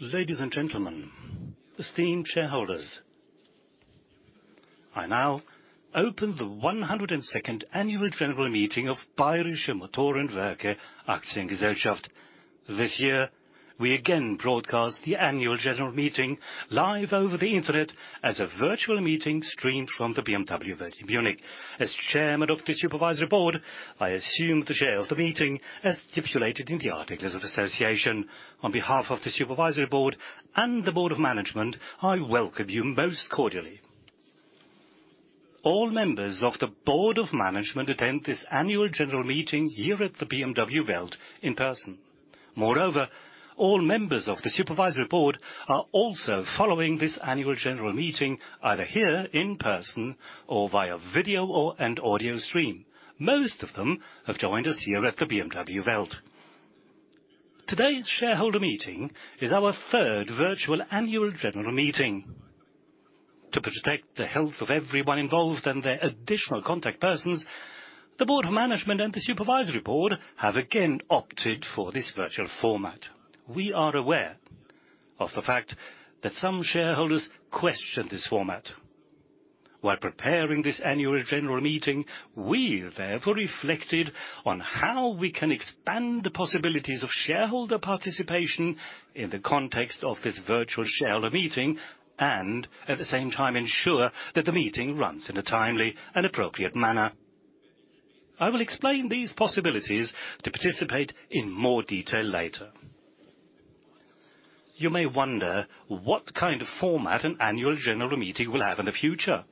Ladies and gentlemen, esteemed shareholders, I now open the 102nd annual general meeting of Bayerische Motoren Werke Aktiengesellschaft. This year, we again broadcast the annual general meeting live over the Internet as a virtual meeting streamed from the BMW Welt in Munich. As chairman of the supervisory board, I assume the chair of the meeting as stipulated in the articles of association. On behalf of the supervisory board and the board of management, I welcome you most cordially. All members of the board of management attend this annual general meeting here at the BMW Welt in person. Moreover, all members of the supervisory board are also following this annual general meeting, either here in person or via video and audio stream. Most of them have joined us here at the BMW Welt. Today's shareholder meeting is our 3rd virtual annual general meeting. To protect the health of everyone involved and their additional contact persons, the board of management and the supervisory board have again opted for this virtual format. We are aware of the fact that some shareholders question this format. While preparing this annual general meeting, we therefore reflected on how we can expand the possibilities of shareholder participation in the context of this virtual shareholder meeting and at the same time ensure that the meeting runs in a timely and appropriate manner. I will explain these possibilities to participate in more detail later. You may wonder what kind of format an annual general meeting will have in the future.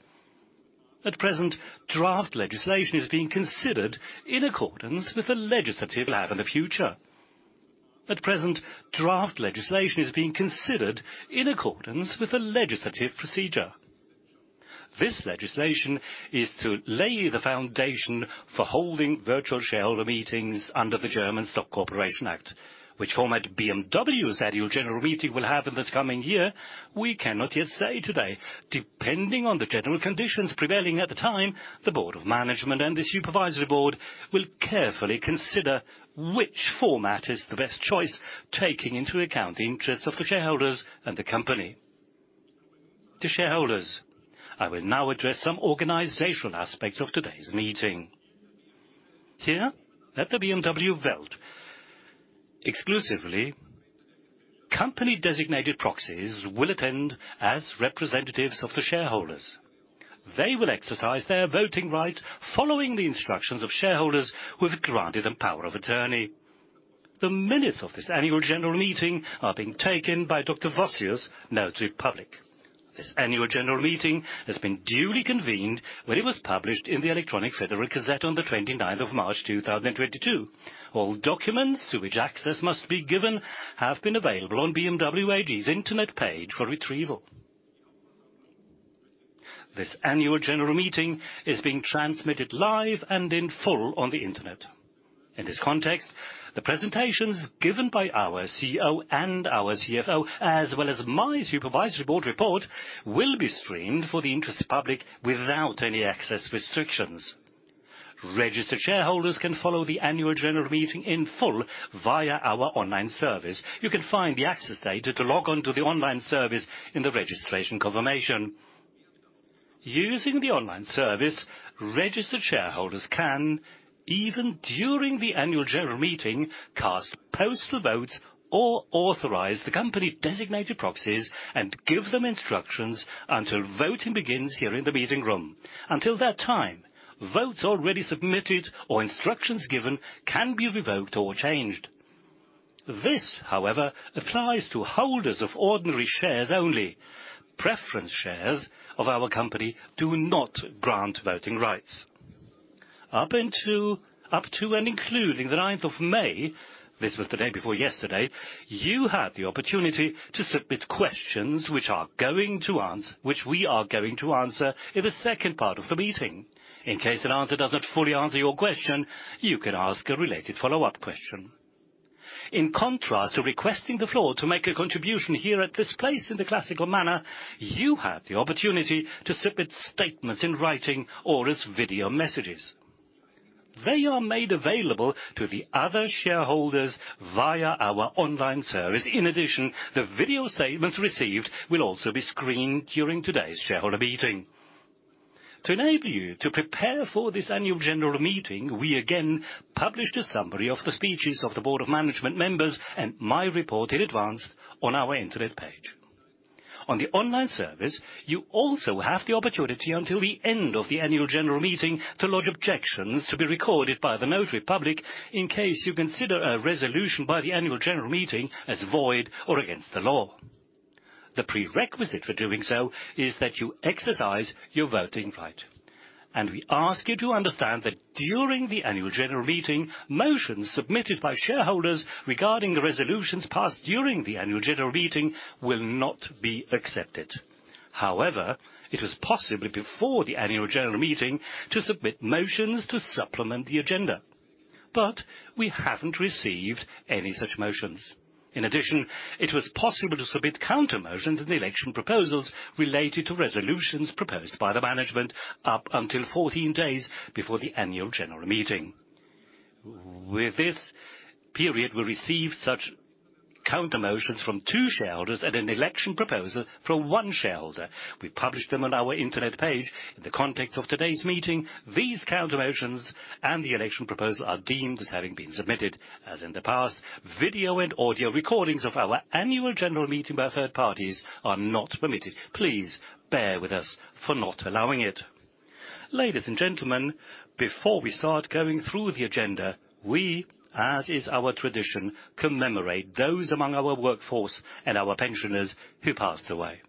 At present, draft legislation is being considered in accordance with the legislative procedure. This legislation is to lay the foundation for holding virtual shareholder meetings under the German Stock Corporation Act. Which format BMW's annual general meeting will have in this coming year, we cannot yet say today. Depending on the general conditions prevailing at the time, the board of management and the supervisory board will carefully consider which format is the best choice, taking into account the interests of the shareholders and the company. To shareholders, I will now address some organizational aspects of today's meeting. Here at the BMW Welt, exclusively company-designated proxies will attend as representatives of the shareholders. They will exercise their voting rights following the instructions of shareholders who have granted them power of attorney. The minutes of this annual general meeting are being taken by Dr. Vossius, Notary Public. This annual general meeting has been duly convened when it was published in the Federal Gazette on the 29th of March, 2022. All documents to which access must be given have been available on BMW AG's Internet page for retrieval. This annual general meeting is being transmitted live and in full on the Internet. In this context, the presentations given by our CEO and our CFO, as well as my supervisory board report, will be streamed for the interested public without any access restrictions. Registered shareholders can follow the annual general meeting in full via our online service. You can find the access data to log on to the online service in the registration confirmation. Using the online service, registered shareholders can, even during the annual general meeting, cast postal votes or authorize the company designated proxies and give them instructions until voting begins here in the meeting room. Until that time, votes already submitted or instructions given can be revoked or changed. This, however, applies to holders of ordinary shares only. Preference shares of our company do not grant voting rights. Up to and including the ninth of May, this was the day before yesterday, you had the opportunity to submit questions which we are going to answer in the second part of the meeting. In case an answer does not fully answer your question, you can ask a related follow-up question. In contrast to requesting the floor to make a contribution here at this place in the classical manner, you had the opportunity to submit statements in writing or as video messages. They are made available to the other shareholders via our online service. In addition, the video statements received will also be screened during today's shareholder meeting. To enable you to prepare for this annual general meeting, we again published a summary of the speeches of the Board of Management members and my report in advance on our internet page. On the online service, you also have the opportunity until the end of the annual general meeting to lodge objections to be recorded by the notary public in case you consider a resolution by the annual general meeting as void or against the law. The prerequisite for doing so is that you exercise your voting right, and we ask you to understand that during the annual general meeting, motions submitted by shareholders regarding the resolutions passed during the annual general meeting will not be accepted. However, it was possible before the annual general meeting to submit motions to supplement the agenda, but we haven't received any such motions. In addition, it was possible to submit countermotions in the election proposals related to resolutions proposed by the management up until 14 days before the annual general meeting. Within this period, we received such countermotions from two shareholders and an election proposal from one shareholder. We published them on our internet page. In the context of today's meeting, these countermotions and the election proposal are deemed as having been submitted. As in the past, video and audio recordings of our annual general meeting by third parties are not permitted. Please bear with us for not allowing it. Ladies and gentlemen, before we start going through the agenda, we, as is our tradition, commemorate those among our workforce and our pensioners who passed away.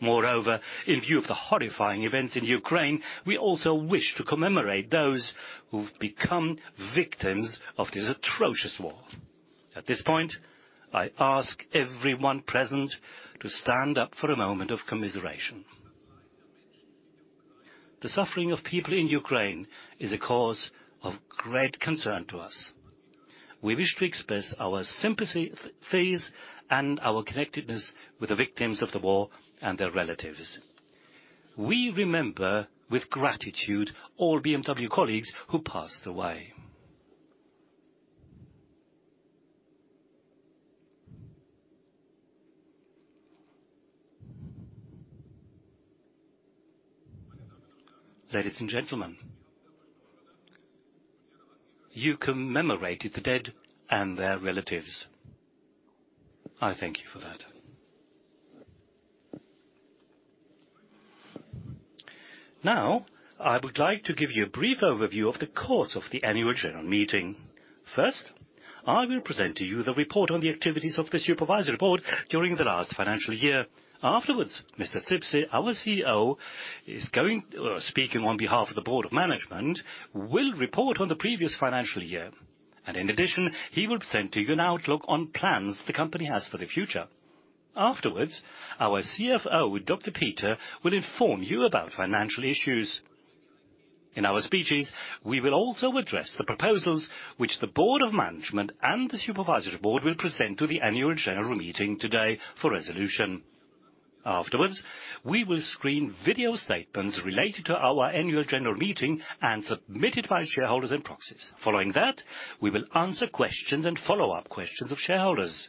Moreover, in view of the horrifying events in Ukraine, we also wish to commemorate those who've become victims of this atrocious war. At this point, I ask everyone present to stand up for a moment of commiseration. The suffering of people in Ukraine is a cause of great concern to us. We wish to express our sympathy and our connectedness with the victims of the war and their relatives. We remember with gratitude all BMW colleagues who passed away. Ladies and gentlemen, you commemorated the dead and their relatives. I thank you for that. Now, I would like to give you a brief overview of the course of the annual general meeting. First, I will present to you the report on the activities of the supervisory board during the last financial year. Afterwards, Mr. Zipse, our CEO, speaking on behalf of the board of management, will report on the previous financial year. He will present to you an outlook on plans the company has for the future. Afterwards, our CFO, Dr. Peter, will inform you about financial issues. In our speeches, we will also address the proposals which the board of management and the supervisory board will present to the annual general meeting today for resolution. Afterwards, we will screen video statements related to our annual general meeting and submitted by shareholders and proxies. Following that, we will answer questions and follow-up questions of shareholders.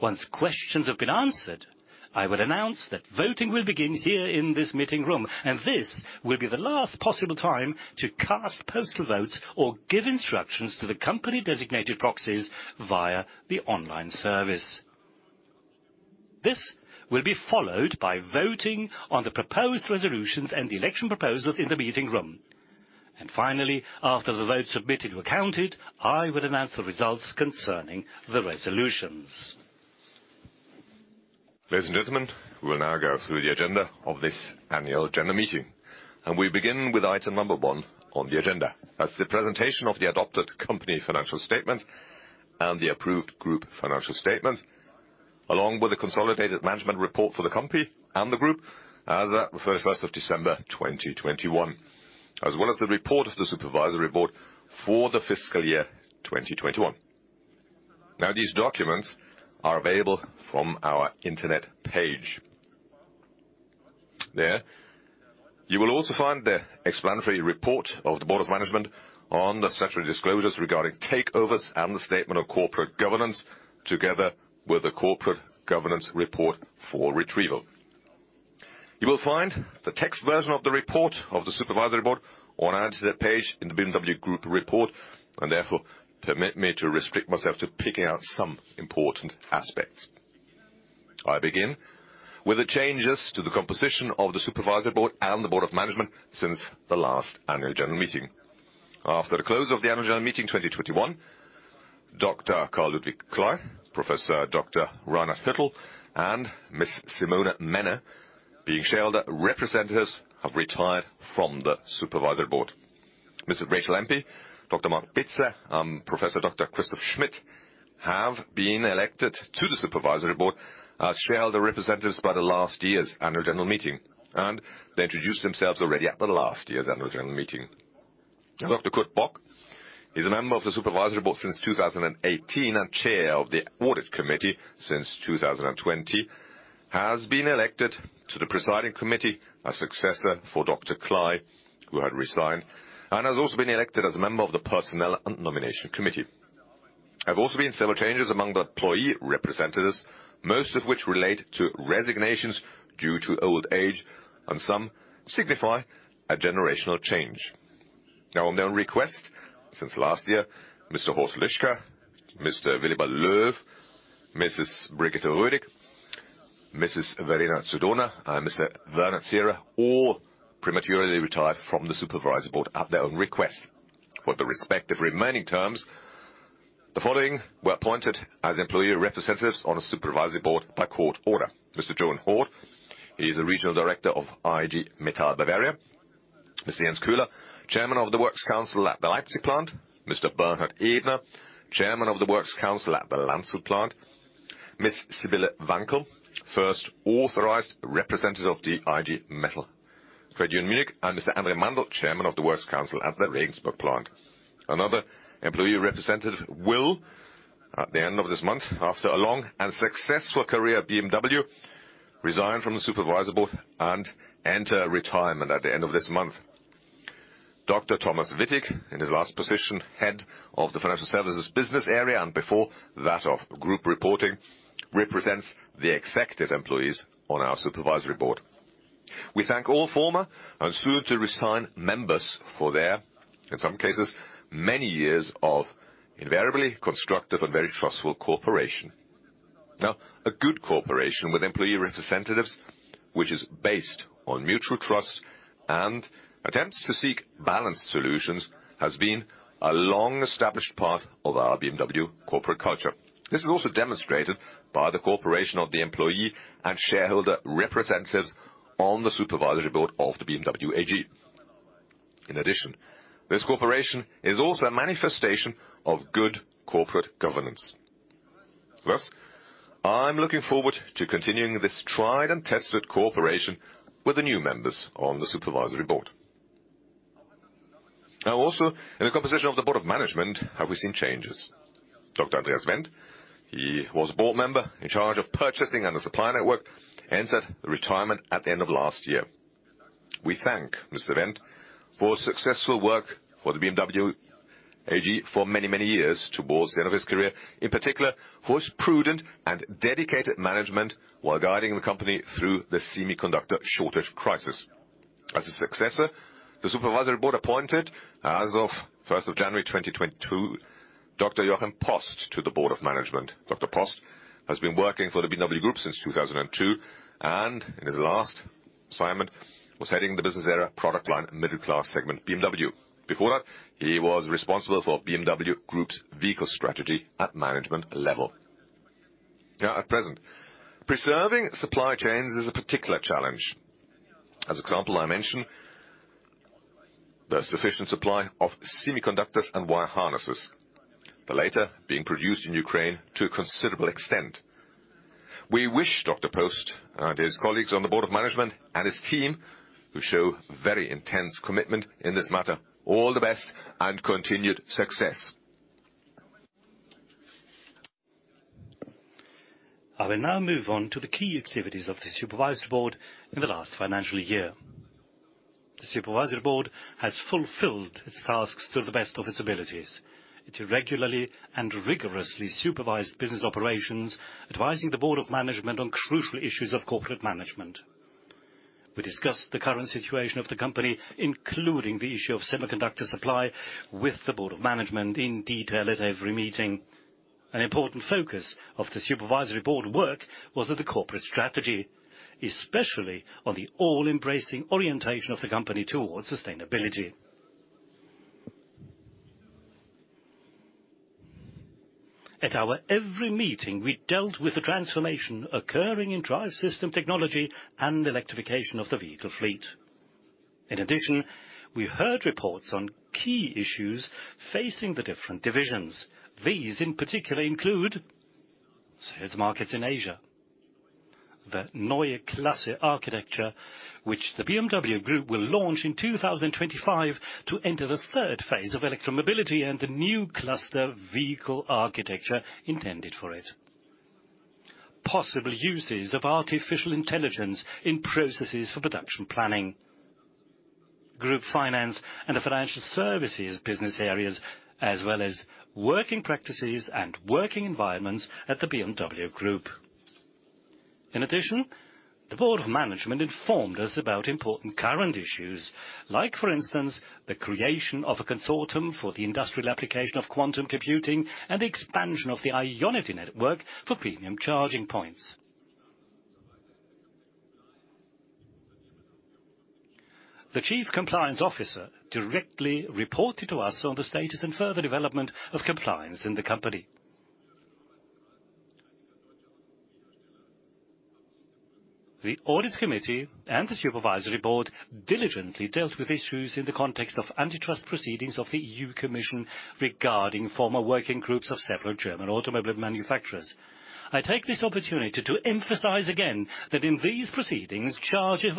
Once questions have been answered, I will announce that voting will begin here in this meeting room, and this will be the last possible time to cast postal votes or give instructions to the company-designated proxies via the online service. This will be followed by voting on the proposed resolutions and the election proposals in the meeting room. Finally, after the votes submitted were counted, I will announce the results concerning the resolutions. Ladies and gentlemen, we will now go through the agenda of this annual general meeting, and we begin with item number 1 on the agenda. That's the presentation of the adopted company financial statements and the approved group financial statements, along with the consolidated management report for the company and the group as at the 31st of December 2021, as well as the report of the supervisory board for the fiscal year 2021. Now, these documents are available from our internet page. There, you will also find the explanatory report of the board of management on the statutory disclosures regarding takeovers, and the statement of corporate governance together with the corporate governance report for retrieval. You will find the text version of the report of the Supervisory Board on our internet page in the BMW Group report, and therefore, permit me to restrict myself to picking out some important aspects. I begin with the changes to the composition of the Supervisory Board and the Board of Management since the last annual general meeting. After the close of the annual general meeting 2021, Dr. Karl-Ludwig Kley, Professor Dr. Reinhard Hüttl, and Ms. Simone Menne, being shareholder representatives, have retired from the Supervisory Board. Mrs. Rachel Empey, Dr. Marc Bitzer, and Professor Dr. Christoph M. Schmidt have been elected to the Supervisory Board as shareholder representatives by the last year's annual general meeting, and they introduced themselves already at the last year's annual general meeting. Dr. Kurt Bock, he's a member of the supervisory board since 2018 and chair of the audit committee since 2020, has been elected to the presiding committee, a successor for Dr. Kley, who had resigned, and has also been elected as a member of the Personnel and Nomination Committee. There have also been several changes among the employee representatives, most of which relate to resignations due to old age, and some signify a generational change. Now, on their own request, since last year, Mr. Horst Lischka, Mr. Willibald Löw, Mrs. Brigitte Rödig, Mrs. Verena zu Dohna, and Mr. Werner Zierer all prematurely retired from the supervisory board at their own request. For the respective remaining terms, the following were appointed as employee representatives on the supervisory board by court order: Mr. Johann Horn, he is a regional director of IG Metall Bavaria. Mr. Jens Kühler, Chairman of the Works Council at the Leipzig plant. Mr. Bernhard Ebner, Chairman of the Works Council at the Landshut plant. Ms. Sibylle Wankel, first authorized representative of the IG Metall trade union Munich, and Mr. An-dre Mandl, Chairman of the Works Council at the Regensburg plant. Another employee representative will, at the end of this month, after a long and successful career at BMW, resign from the Supervisory Board and enter retirement at the end of this month. Dr. Thomas Wittig, in his last position, Head of the Financial Services business area, and before that of Group Reporting, represents the executive employees on our Supervisory Board. We thank all former and soon-to-resign members for their, in some cases, many years of invariably constructive and very trustful cooperation. A good cooperation with employee representatives, which is based on mutual trust and attempts to seek balanced solutions, has been a long-established part of our BMW corporate culture. This is also demonstrated by the cooperation of the employee and shareholder representatives on the Supervisory Board of the BMW AG. In addition, this cooperation is also a manifestation of good corporate governance. Thus, I'm looking forward to continuing this tried-and-tested cooperation with the new members on the Supervisory Board. Now, also, in the composition of the Board of Management have we seen changes. Dr. Andreas Wendt, he was a Board member in charge of purchasing and the supplier network, entered retirement at the end of last year. We thank Dr. Wendt for his successful work for the BMW AG for many, many years towards the end of his career. In particular, for his prudent and dedicated management while guiding the company through the semiconductor shortage crisis. As his successor, the Supervisory Board appointed, as of January 1, 2022, Dr. Jochen Post to the Board of Management. Dr. Post has been working for the BMW Group since 2002, and in his last assignment, was heading the business area product line middle class segment BMW. Before that, he was responsible for BMW Group's vehicle strategy at management level. Now, at present, preserving supply chains is a particular challenge. As an example, I mention the sufficient supply of semiconductors and wire harnesses, the latter being produced in Ukraine to a considerable extent. We wish Dr. Post and his colleagues on the Board of Management and his team, who show very intense commitment in this matter, all the best and continued success. I will now move on to the key activities of the Supervisory Board in the last financial year. The Supervisory Board has fulfilled its tasks to the best of its abilities. It regularly and rigorously supervised business operations, advising the Board of Management on crucial issues of corporate management. We discussed the current situation of the company, including the issue of semiconductor supply, with the Board of Management in detail at every meeting. An important focus of the Supervisory Board work was at the corporate strategy, especially on the all-embracing orientation of the company towards sustainability. At our every meeting, we dealt with the transformation occurring in drive system technology and electrification of the vehicle fleet. In addition, we heard reports on key issues facing the different divisions. These, in particular, include sales markets in Asia, the Neue Klasse architecture, which the BMW Group will launch in 2025 to enter the third phase of electromobility and the new cluster vehicle architecture intended for it. Possible uses of artificial intelligence in processes for production planning. Group Finance and the Financial Services business areas, as well as working practices and working environments at the BMW Group. In addition, the Board of Management informed us about important current issues, like for instance, the creation of a consortium for the industrial application of quantum computing and expansion of the IONITY network for premium charging points. The chief compliance officer directly reported to us on the status and further development of compliance in the company. The Audit Committee and the Supervisory Board diligently dealt with issues in the context of antitrust proceedings of the European Commission regarding former working groups of several German automobile manufacturers. I take this opportunity to emphasize again that in these proceedings, charges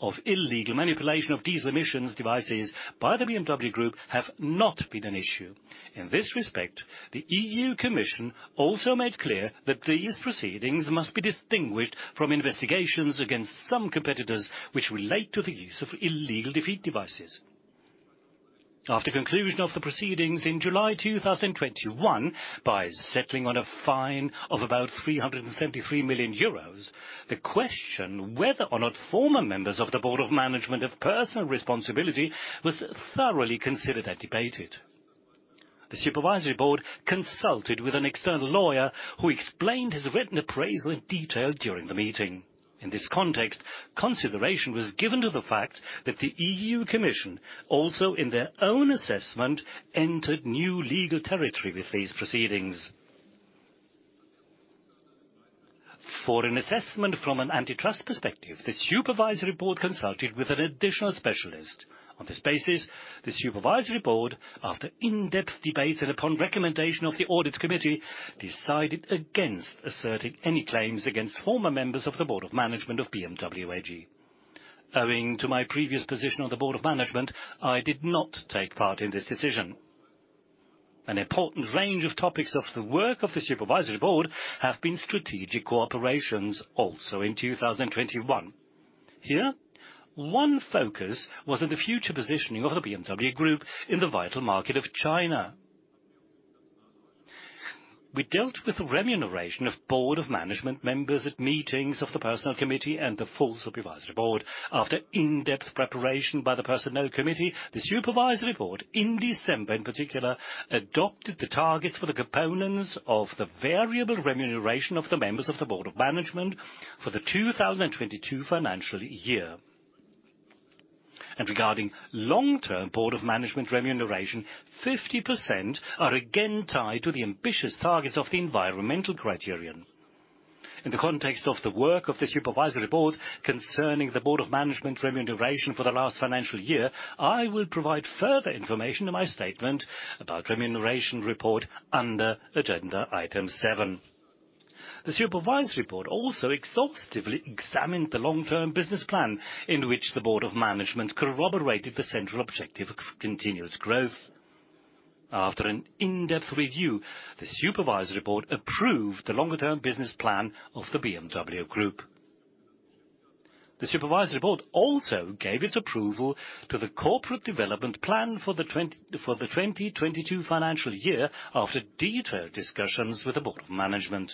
of illegal manipulation of diesel emissions devices by the BMW Group have not been an issue. In this respect, the European Commission also made clear that these proceedings must be distinguished from investigations against some competitors which relate to the use of illegal defeat devices. After conclusion of the proceedings in July 2021, by settling on a fine of about 373 million euros, the question whether or not former members of the Board of Management of personal responsibility was thoroughly considered and debated. The Supervisory Board consulted with an external lawyer who explained his written appraisal in detail during the meeting. In this context, consideration was given to the fact that the European Commission, also in their own assessment, entered new legal territory with these proceedings. For an assessment from an antitrust perspective, the Supervisory Board consulted with an additional specialist. On this basis, the Supervisory Board, after in-depth debate and upon recommendation of the Audit Committee, decided against asserting any claims against former members of the Board of Management of BMW AG. Owing to my previous position on the Board of Management, I did not take part in this decision. An important range of topics of the work of the Supervisory Board have been strategic cooperations also in 2021. Here, one focus was in the future positioning of the BMW Group in the vital market of China. We dealt with the remuneration of Board of Management members at meetings of the Personnel Committee and the full Supervisory Board. After in-depth preparation by the personnel committee, the supervisory board in December, in particular, adopted the targets for the components of the variable remuneration of the members of the board of management for the 2022 financial year. Regarding long-term board of management remuneration, 50% are again tied to the ambitious targets of the environmental criterion. In the context of the work of the supervisory board concerning the board of management remuneration for the last financial year, I will provide further information in my statement about remuneration report under agenda item 7. The supervisory board also exhaustively examined the long-term business plan, in which the board of management corroborated the central objective of continuous growth. After an in-depth review, the supervisory board approved the longer term business plan of the BMW Group. The Supervisory Board also gave its approval to the corporate development plan for the 2022 financial year after detailed discussions with the Board of Management.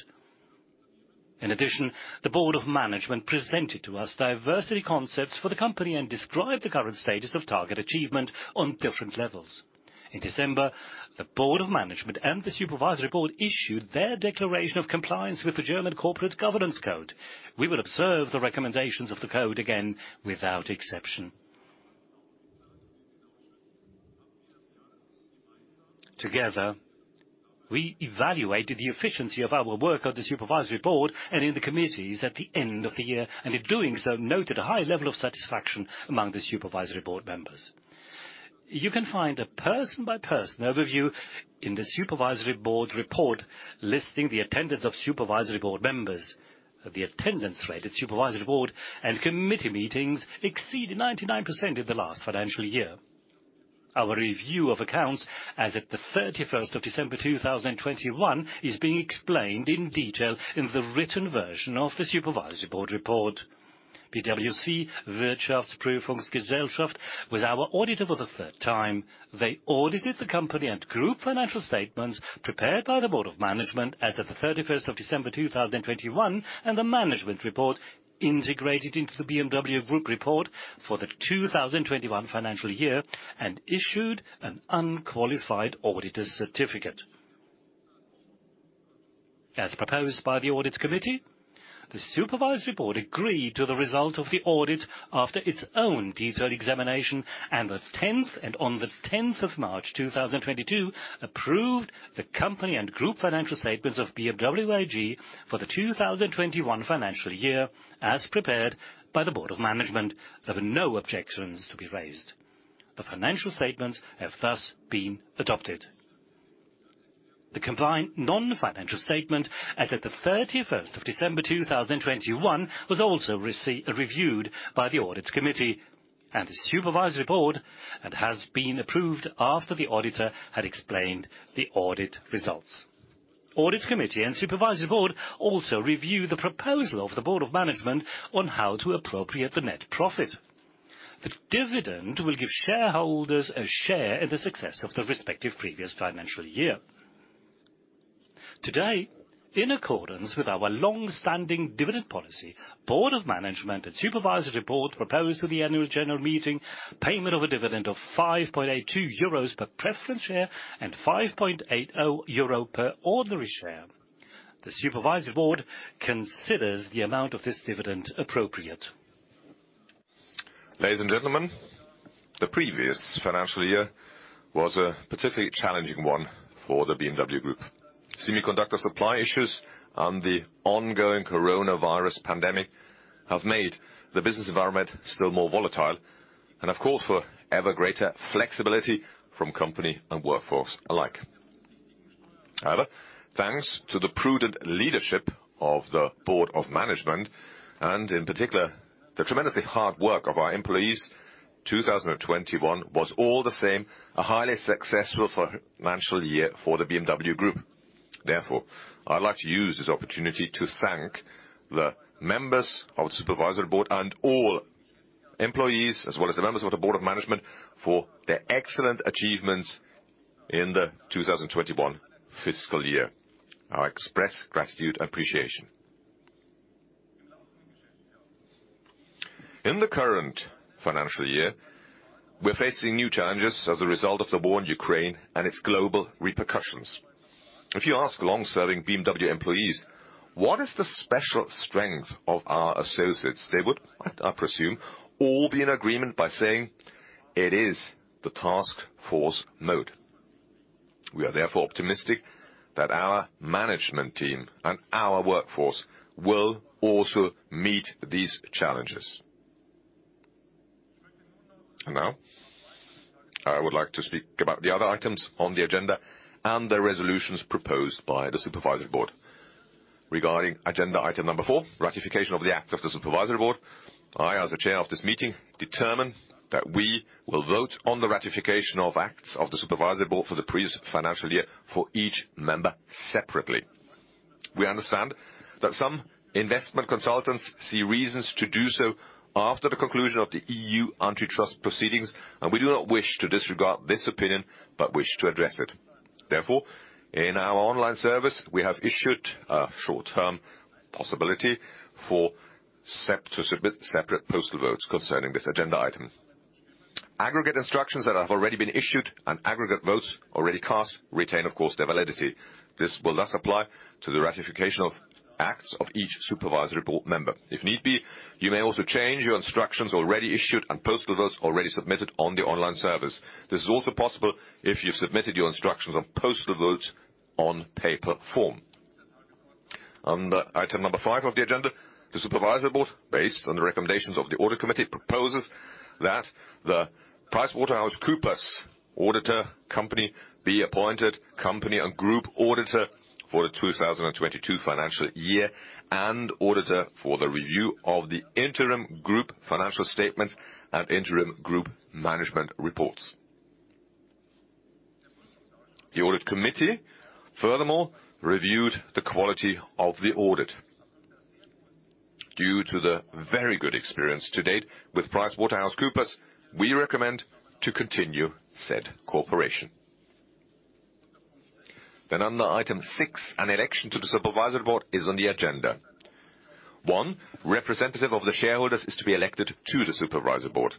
In addition, the Board of Management presented to us diversity concepts for the company and described the current status of target achievement on different levels. In December, the Board of Management and the Supervisory Board issued their declaration of compliance with the German Corporate Governance Code. We will observe the recommendations of the code again without exception. Together, we evaluated the efficiency of our work of the Supervisory Board and in the committees at the end of the year, and in doing so noted a high level of satisfaction among the Supervisory Board members. You can find a person-by-person overview in the Supervisory Board report listing the attendance of Supervisory Board members. The attendance rate at supervisory board and committee meetings exceeded 99% in the last financial year. Our review of accounts as of the 31st of December 2021 is being explained in detail in the written version of the supervisory board report. PwC Wirtschaftsprüfungsgesellschaft was our auditor for the third time. They audited the company and group financial statements prepared by the board of management as of the 31st of December 2021, and the management report integrated into the BMW Group report for the 2021 financial year and issued an unqualified auditor certificate. As proposed by the audit committee, the supervisory board agreed to the result of the audit after its own detailed examination, and on the 10th of March 2022 approved the company and group financial statements of BMW AG for the 2021 financial year, as prepared by the board of management. There were no objections to be raised. The financial statements have thus been adopted. The combined non-financial statement as of the 31st of December 2021 was also reviewed by the audit committee and the supervisory board, and has been approved after the auditor had explained the audit results. Audit committee and supervisory board also reviewed the proposal of the board of management on how to appropriate the net profit. The dividend will give shareholders a share in the success of the respective previous financial year. Today, in accordance with our long-standing dividend policy, Board of Management and Supervisory Board proposed to the Annual General Meeting payment of a dividend of 5.82 euros per preference share and 5.80 euro per ordinary share. The Supervisory Board considers the amount of this dividend appropriate. Ladies and gentlemen, the previous financial year was a particularly challenging one for the BMW Group. Semiconductor supply issues and the ongoing coronavirus pandemic have made the business environment still more volatile and, of course, calling for ever greater flexibility from company and workforce alike. However, thanks to the prudent leadership of the Board of Management and, in particular, the tremendously hard work of our employees, 2021 was all the same a highly successful financial year for the BMW Group. Therefore, I'd like to use this opportunity to thank the members of the Supervisory Board and all employees, as well as the members of the Board of Management for their excellent achievements in the 2021 fiscal year. I express gratitude and appreciation. In the current financial year, we're facing new challenges as a result of the war in Ukraine and its global repercussions. If you ask long-serving BMW employees, what is the special strength of our associates? They would, I presume, all be in agreement by saying it is the task force mode. We are therefore optimistic that our management team and our workforce will also meet these challenges. Now, I would like to speak about the other items on the agenda and the resolutions proposed by the Supervisory Board. Regarding agenda item 4, ratification of the acts of the Supervisory Board. I, as a chair of this meeting, determine that we will vote on the ratification of acts of the Supervisory Board for the previous financial year for each member separately. We understand that some investment consultants see reasons to do so after the conclusion of the EU antitrust proceedings, and we do not wish to disregard this opinion, but wish to address it. Therefore, in our online service, we have issued a short-term possibility to submit separate postal votes concerning this agenda item. Aggregate instructions that have already been issued and aggregate votes already cast retain, of course, their validity. This will thus apply to the ratification of acts of each Supervisory Board member. If need be, you may also change your instructions already issued and postal votes already submitted on the online service. This is also possible if you've submitted your instructions on postal votes on paper form. On item number five of the agenda, the Supervisory Board, based on the recommendations of the Audit Committee, proposes that the PricewaterhouseCoopers auditor company be appointed company and group auditor for the 2022 financial year and auditor for the review of the interim group financial statements and interim group management reports. The Audit Committee, furthermore, reviewed the quality of the audit. Due to the very good experience to date with PricewaterhouseCoopers, we recommend to continue said cooperation. On item 6, an election to the Supervisory Board is on the agenda. One representative of the shareholders is to be elected to the Supervisory Board.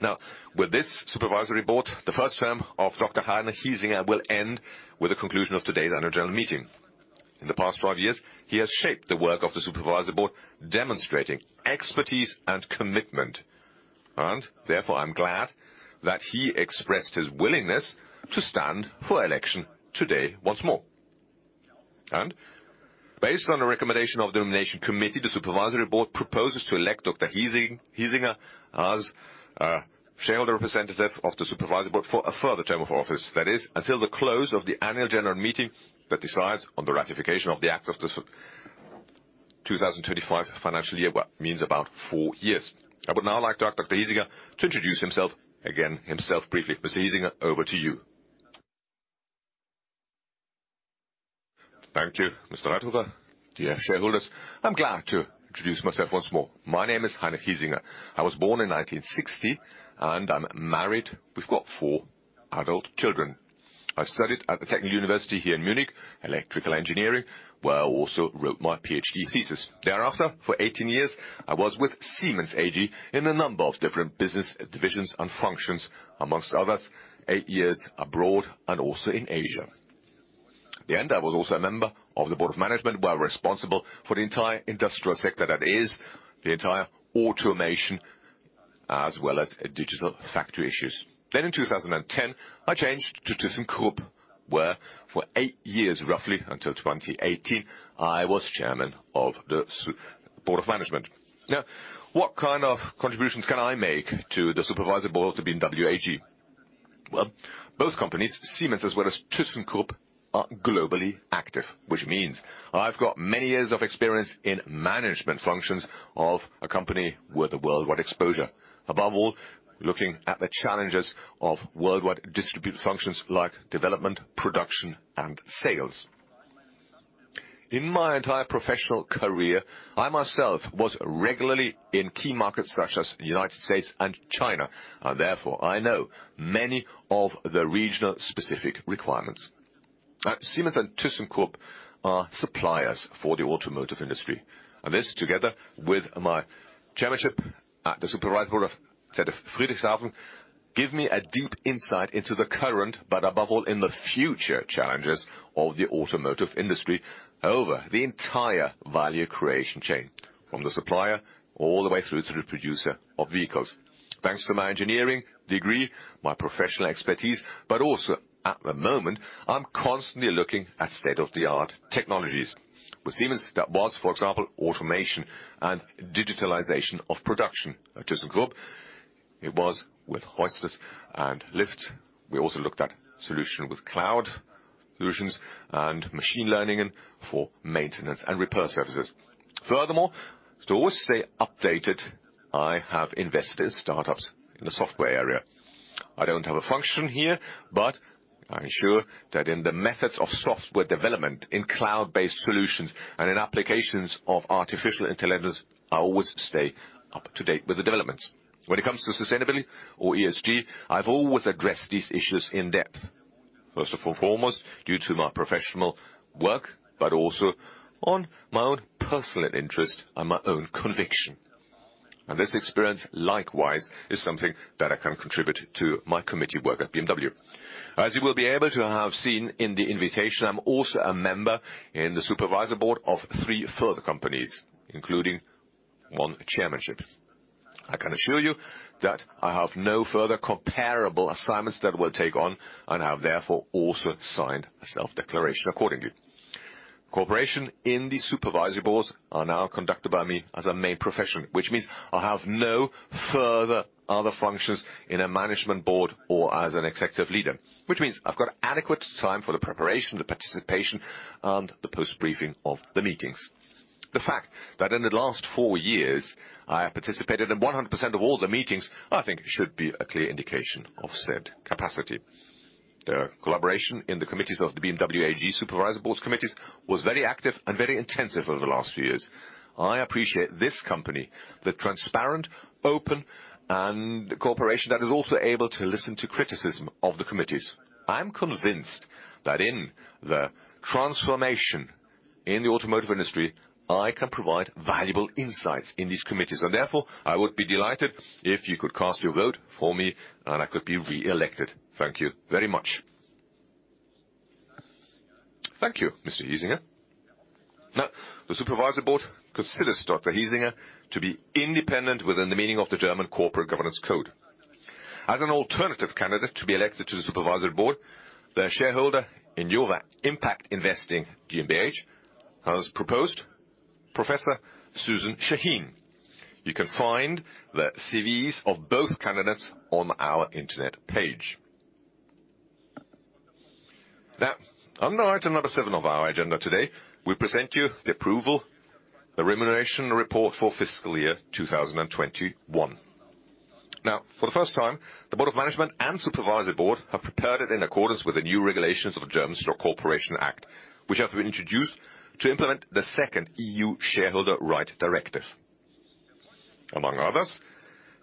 Now, with this Supervisory Board, the first term of Dr. Heinrich Hiesinger will end with the conclusion of today's annual general meeting. In the past 5 years, he has shaped the work of the Supervisory Board, demonstrating expertise and commitment. Therefore, I'm glad that he expressed his willingness to stand for election today once more. Based on the recommendation of the Nomination Committee, the Supervisory Board proposes to elect Dr. Heinrich Hiesinger as shareholder representative of the Supervisory Board for a further term of office. That is, until the close of the annual general meeting that decides on the ratification of the acts of the 2025 financial year, which means about four years. I would now like to ask Dr. Heinrich Hiesinger to introduce himself briefly. Mr. Hiesinger, over to you. Thank you, Mr. Reithofer. Dear shareholders, I'm glad to introduce myself once more. My name is Heinrich Hiesinger. I was born in 1960, and I'm married. We've got 4 adult children. I studied at the Technical University here in Munich, electrical engineering, where I also wrote my PhD thesis. Thereafter, for 18 years, I was with Siemens AG in a number of different business divisions and functions, amongst others, 8 years abroad and also in Asia. At the end, I was also a member of the Board of Management. We are responsible for the entire industrial sector, that is the entire automation as well as digital factory issues. In 2010, I changed to thyssenkrupp, where for eight years, roughly until 2018, I was chairman of the Board of Management. Now, what kind of contributions can I make to the Supervisory Board of BMW AG? Well, both companies, Siemens as well as thyssenkrupp, are globally active, which means I've got many years of experience in management functions of a company with a worldwide exposure. Above all, looking at the challenges of worldwide distributed functions like development, production, and sales. In my entire professional career, I myself was regularly in key markets such as United States and China. Therefore, I know many of the regional specific requirements. Siemens and thyssenkrupp are suppliers for the automotive industry. This, together with my chairmanship at the Supervisory Board of Stadtwerke Friedrichshafen, give me a deep insight into the current, but above all, in the future challenges of the automotive industry over the entire value creation chain, from the supplier all the way through to the producer of vehicles. Thanks to my engineering degree, my professional expertise, but also at the moment, I'm constantly looking at state-of-the-art technologies. With Siemens that was, for example, automation and digitalization of production. At thyssenkrupp, it was with hoists and lifts. We also looked at solution with cloud solutions and machine learning and for maintenance and repair services. Furthermore, to always stay updated, I have invested in startups in the software area. I don't have a function here, but I ensure that in the methods of software development, in cloud-based solutions, and in applications of artificial intelligence, I always stay up to date with the developments. When it comes to sustainability or ESG, I've always addressed these issues in depth. First and foremost, due to my professional work, but also on my own personal interest and my own conviction. This experience, likewise, is something that I can contribute to my committee work at BMW. As you will be able to have seen in the invitation, I'm also a member in the Supervisory Board of three further companies, including one chairmanship. I can assure you that I have no further comparable assignments that will take on and have therefore also signed a self-declaration accordingly. Participation in the Supervisory Board is now conducted by me as a main profession, which means I have no further other functions in a management board or as an executive leader. Which means I've got adequate time for the preparation, the participation, and the post-briefing of the meetings. The fact that in the last four years, I have participated in 100% of all the meetings, I think should be a clear indication of said capacity. The collaboration in the committees of the BMW AG Supervisory Board committees was very active and very intensive over the last few years. I appreciate this company, the transparent, open, and cooperation that is also able to listen to criticism of the committees. I am convinced that in the transformation in the automotive industry, I can provide valuable insights in these committees, and therefore, I would be delighted if you could cast your vote for me, and I could be reelected. Thank you very much. Thank you, Mr. Hiesinger. Now, the Supervisory Board considers Dr. Hiesinger to be independent within the meaning of the German Corporate Governance Code. As an alternative candidate to be elected to the Supervisory Board, the shareholder Inyova Impact Investing GmbH has proposed Professor Susan Shaheen. You can find the CVs of both candidates on our internet page. Now, under item number 7 of our agenda today, we present you the approval, the remuneration report for fiscal year 2021. Now, for the first time, the Board of Management and Supervisory Board have prepared it in accordance with the new regulations of the German Stock Corporation Act, which have been introduced to implement the second EU Shareholder Rights Directive. Among others,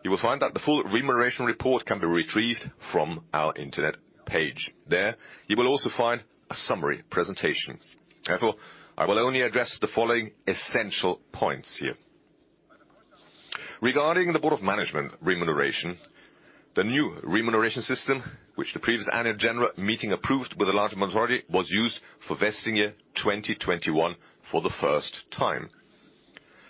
you will find that the full remuneration report can be retrieved from our internet page. There, you will also find a summary presentation. Therefore, I will only address the following essential points here. Regarding the Board of Management remuneration, the new remuneration system, which the previous annual general meeting approved with a large majority, was used for vesting year 2021 for the first time.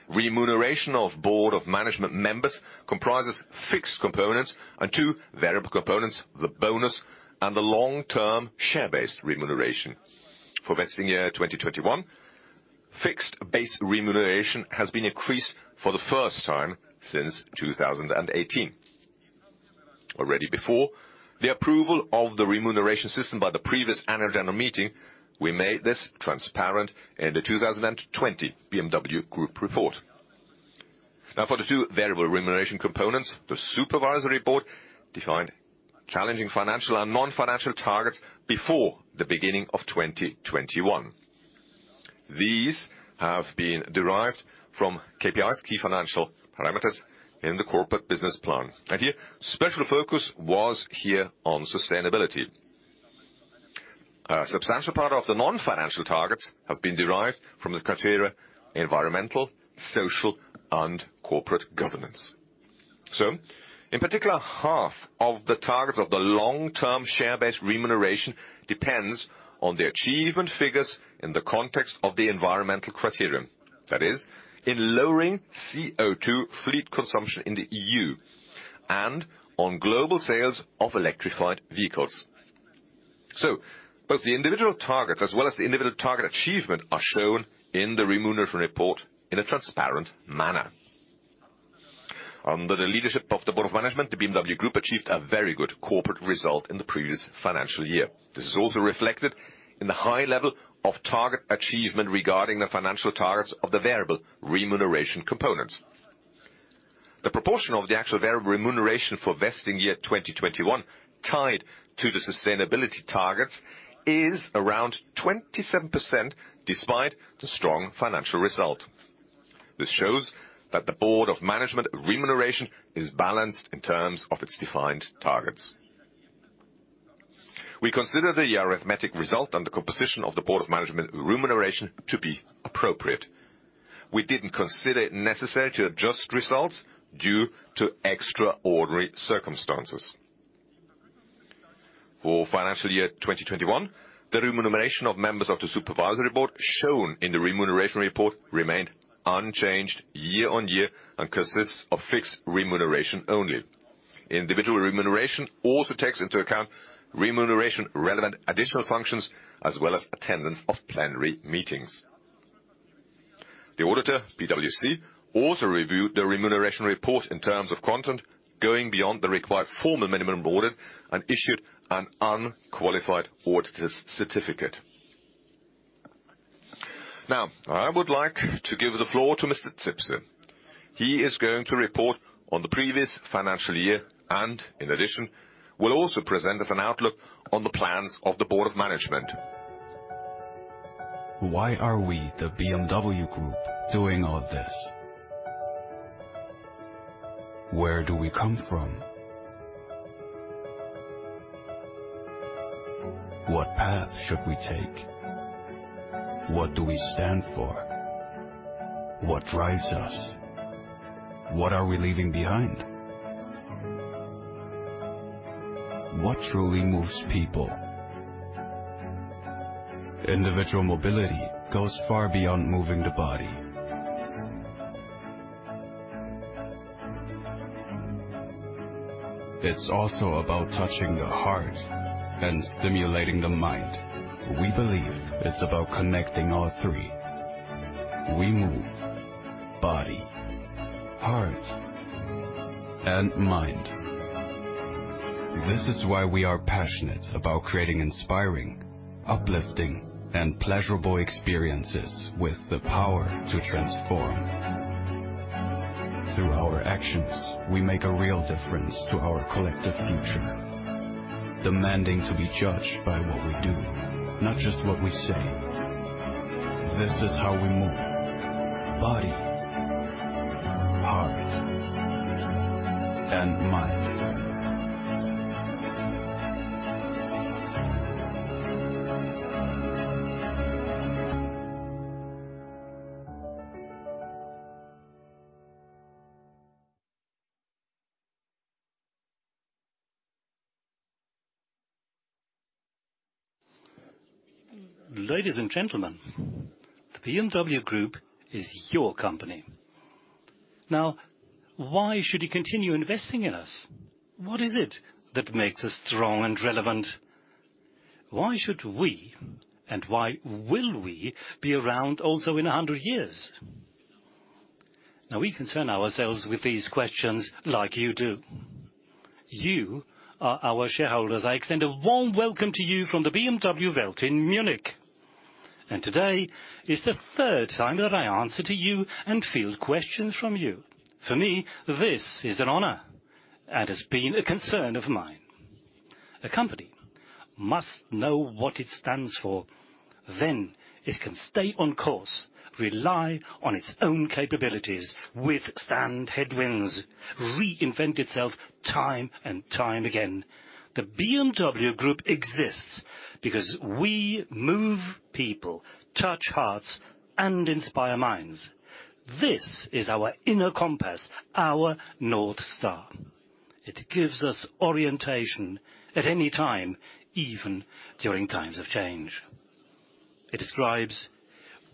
Remuneration of Board of Management members comprises fixed components and two variable components, the bonus and the long-term share-based remuneration. For vesting year 2021, fixed base remuneration has been increased for the first time since 2018. Already before the approval of the remuneration system by the previous annual general meeting, we made this transparent in the 2020 BMW Group report. Now, for the two variable remuneration components, the Supervisory Board defined challenging financial and non-financial targets before the beginning of 2021. These have been derived from KPIs, key financial parameters in the corporate business plan. Here, special focus was here on sustainability. A substantial part of the non-financial targets have been derived from the criteria environmental, social, and corporate governance. In particular, half of the targets of the long-term share-based remuneration depends on the achievement figures in the context of the environmental criterion. That is, in lowering CO2 fleet consumption in the EU and on global sales of electrified vehicles. Both the individual targets as well as the individual target achievement are shown in the remuneration report in a transparent manner. Under the leadership of the Board of Management, the BMW Group achieved a very good corporate result in the previous financial year. This is also reflected in the high level of target achievement regarding the financial targets of the variable remuneration components. The proportion of the actual variable remuneration for vesting year 2021 tied to the sustainability targets is around 27% despite the strong financial result. This shows that the Board of Management remuneration is balanced in terms of its defined targets. We consider the arithmetic result and the composition of the Board of Management remuneration to be appropriate. We didn't consider it necessary to adjust results due to extraordinary circumstances. For financial year 2021, the remuneration of members of the Supervisory Board shown in the remuneration report remained unchanged year on year and consists of fixed remuneration only. Individual remuneration also takes into account remuneration relevant additional functions as well as attendance of plenary meetings. The auditor, PwC, also reviewed the remuneration report in terms of content, going beyond the required formal minimum audit, and issued an unqualified auditor's certificate. Now, I would like to give the floor to Mr. Zipse. He is going to report on the previous financial year and, in addition, will also present us an outlook on the plans of the Board of Management. Why are we, the BMW Group, doing all this? Where do we come from? What path should we take? What do we stand for? What drives us? What are we leaving behind? What truly moves people? Individual mobility goes far beyond moving the body. It's also about touching the heart and stimulating the mind. We believe it's about connecting all three. We move body, heart, and mind. This is why we are passionate about creating inspiring, uplifting, and pleasurable experiences with the power to transform. Through our actions, we make a real difference to our collective future, demanding to be judged by what we do, not just what we say. This is how we move body, heart, and mind. Ladies and gentlemen, the BMW Group is your company. Now, why should you continue investing in us? What is it that makes us strong and relevant? Why should we, and why will we be around also in a hundred years? Now, we concern ourselves with these questions like you do. You are our shareholders. I extend a warm welcome to you from the BMW Welt in Munich. Today is the third time that I answer to you and field questions from you. For me, this is an honor and has been a concern of mine. A company must know what it stands for, then it can stay on course, rely on its own capabilities, withstand headwinds, reinvent itself time and time again. The BMW Group exists because we move people, touch hearts, and inspire minds. This is our inner compass, our North Star. It gives us orientation at any time, even during times of change. It describes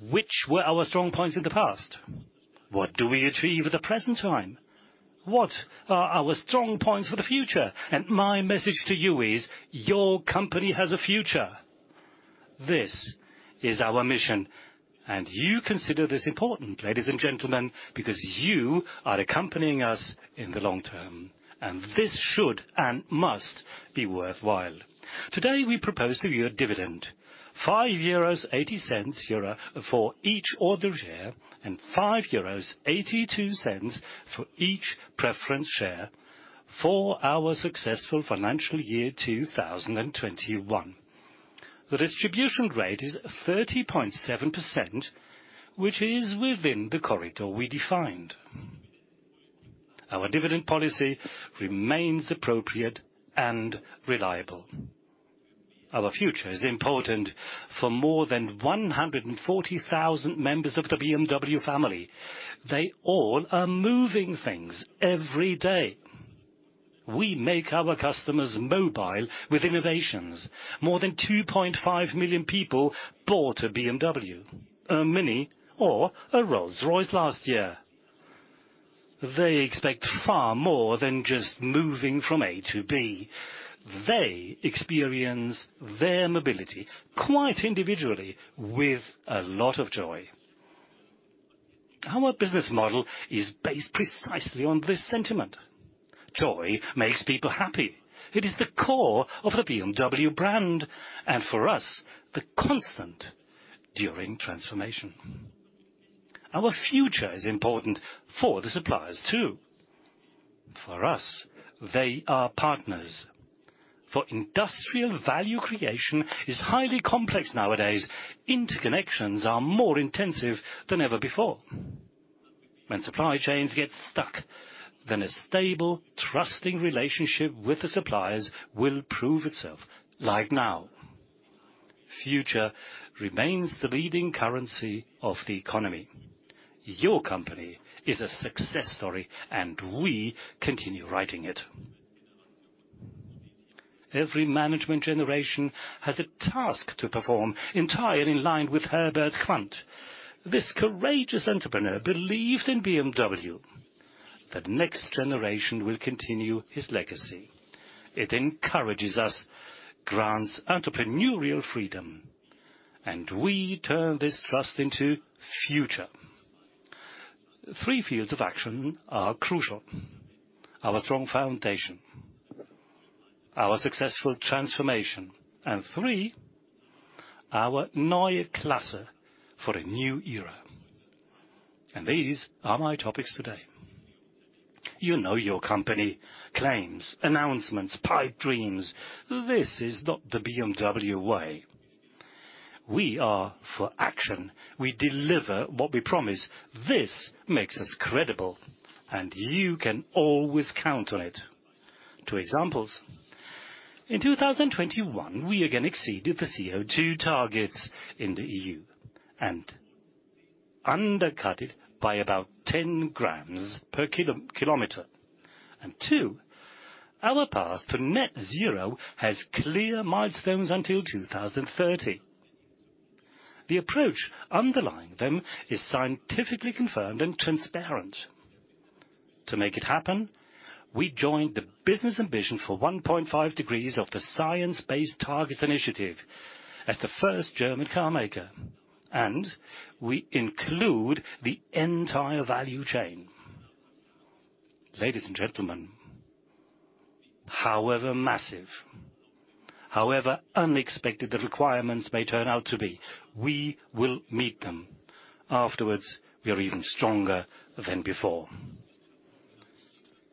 which were our strong points in the past. What do we achieve at the present time? What are our strong points for the future? My message to you is your company has a future. This is our mission, and you consider this important, ladies and gentlemen, because you are accompanying us in the long term, and this should and must be worthwhile. Today, we propose to you a dividend, 5.80 euros for each ordinary share, and 5.82 euros for each preference share for our successful financial year 2021. The distribution rate is 30.7%, which is within the corridor we defined. Our dividend policy remains appropriate and reliable. Our future is important for more than 140,000 members of the BMW family. They all are moving things every day. We make our customers mobile with innovations. More than 2.5 million people bought a BMW, a MINI, or a Rolls-Royce last year. They expect far more than just moving from A to B. They experience their mobility quite individually with a lot of joy. Our business model is based precisely on this sentiment. Joy makes people happy. It is the core of the BMW brand, and for us, the constant during transformation. Our future is important for the suppliers, too. For us, they are partners. For industrial value creation is highly complex nowadays. Interconnections are more intensive than ever before. When supply chains get stuck, then a stable, trusting relationship with the suppliers will prove itself, like now. Future remains the leading currency of the economy. Your company is a success story, and we continue writing it. Every management generation has a task to perform entirely in line with Herbert Quandt. This courageous entrepreneur believed in BMW that next generation will continue his legacy. It encourages us, grants entrepreneurial freedom, and we turn this trust into future. Three fields of action are crucial. Our strong foundation, our successful transformation, and three, our Neue Klasse for a new era. These are my topics today. You know your company claims, announcements, pipe dreams. This is not the BMW way. We are for action. We deliver what we promise. This makes us credible, and you can always count on it. Two examples. In 2021, we again exceeded the CO2 targets in the EU and undercut it by about 10 grams per kilometer. Two, our path to net zero has clear milestones until 2030. The approach underlying them is scientifically confirmed and transparent. To make it happen, we joined the business ambition for 1.5 degrees of the Science Based Targets initiative as the first German car maker. We include the entire value chain. Ladies and gentlemen, however massive, however unexpected the requirements may turn out to be, we will meet them. Afterwards, we are even stronger than before.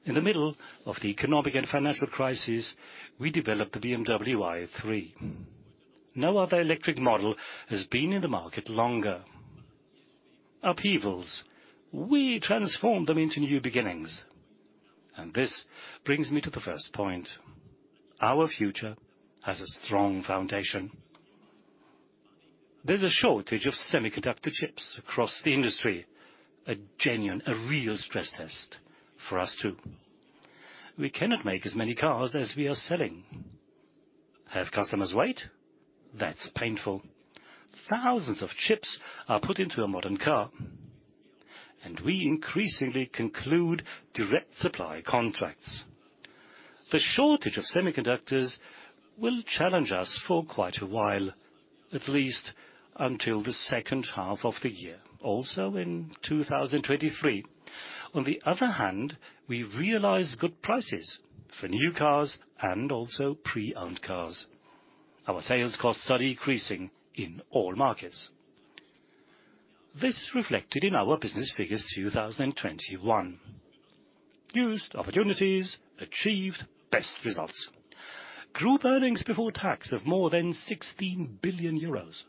In the middle of the economic and financial crisis, we developed the BMW i3. No other electric model has been in the market longer. Upheavals, we transform them into new beginnings, and this brings me to the first point. Our future has a strong foundation. There's a shortage of semiconductor chips across the industry, a genuine, a real stress test for us, too. We cannot make as many cars as we are selling. Have customers wait? That's painful. Thousands of chips are put into a modern car, and we increasingly conclude direct supply contracts. The shortage of semiconductors will challenge us for quite a while, at least until the second half of the year, also in 2023. On the other hand, we realize good prices for new cars and also pre-owned cars. Our sales costs are decreasing in all markets. This reflected in our business figures 2021. Used opportunities achieved best results. Group earnings before tax of more than 16 billion euros.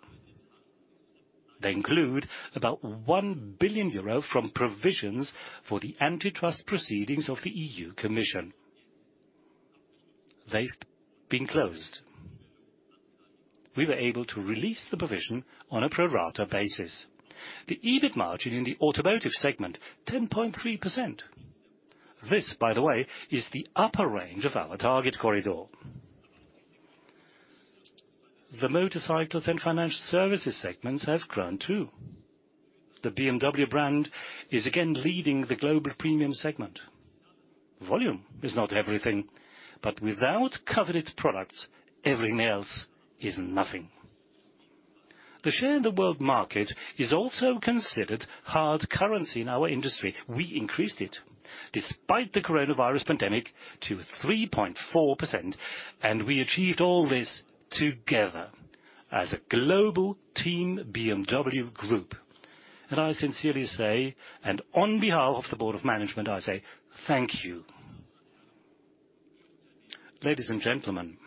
They include about 1 billion euro from provisions for the antitrust proceedings of the European Commission. They've been closed. We were able to release the provision on a pro rata basis. The EBIT margin in the automotive segment, 10.3%. This, by the way, is the upper range of our target corridor. The motorcycles and financial services segments have grown too. The BMW brand is again leading the global premium segment. Volume is not everything, but without coveted products, everything else is nothing. The share in the world market is also considered hard currency in our industry. We increased it, despite the coronavirus pandemic, to 3.4%, and we achieved all this together as a global team, BMW Group. I sincerely say, and on behalf of the Board of Management, I say thank you. Ladies and gentlemen,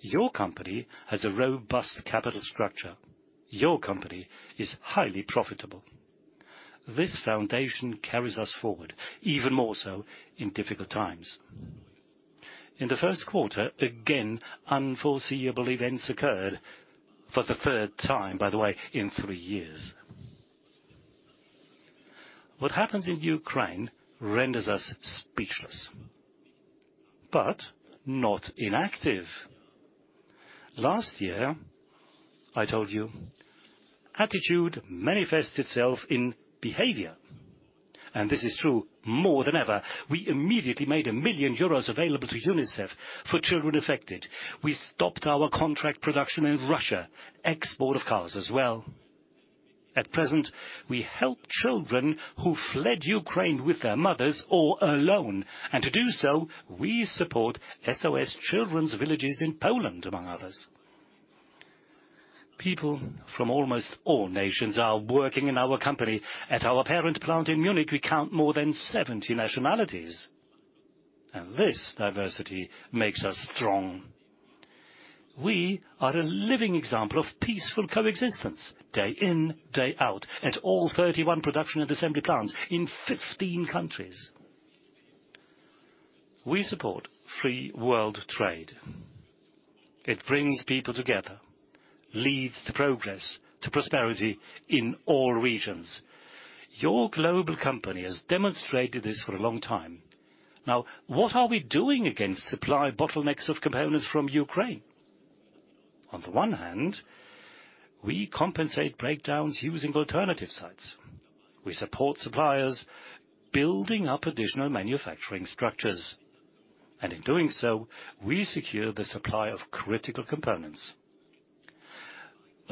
your company has a robust capital structure. Your company is highly profitable. This foundation carries us forward even more so in difficult times. In the first quarter, again, unforeseeable events occurred for the third time, by the way, in three years. What happens in Ukraine renders us speechless, but not inactive. Last year, I told you, attitude manifests itself in behavior, and this is true more than ever. We immediately made 1 million euros available to UNICEF for children affected. We stopped our contract production in Russia, export of cars as well. At present, we help children who fled Ukraine with their mothers or alone, and to do so, we support SOS Children's Villages in Poland, among others. People from almost all nations are working in our company. At our parent plant in Munich, we count more than 70 nationalities, and this diversity makes us strong. We are a living example of peaceful coexistence, day in, day out, at all 31 production and assembly plants in 15 countries. We support free world trade. It brings people together, leads to progress, to prosperity in all regions. Your global company has demonstrated this for a long time. Now, what are we doing against supply bottlenecks of components from Ukraine? On the one hand, we compensate breakdowns using alternative sites. We support suppliers building up additional manufacturing structures, and in doing so, we secure the supply of critical components.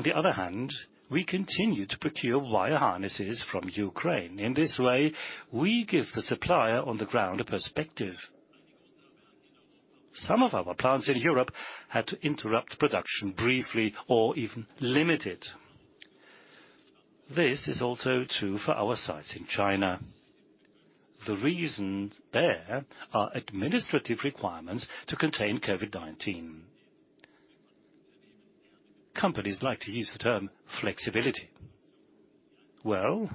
On the other hand, we continue to procure wire harnesses from Ukraine. In this way, we give the supplier on the ground a perspective. Some of our plants in Europe had to interrupt production briefly or even limit it. This is also true for our sites in China. The reasons there are administrative requirements to contain COVID-19. Companies like to use the term flexibility. Well,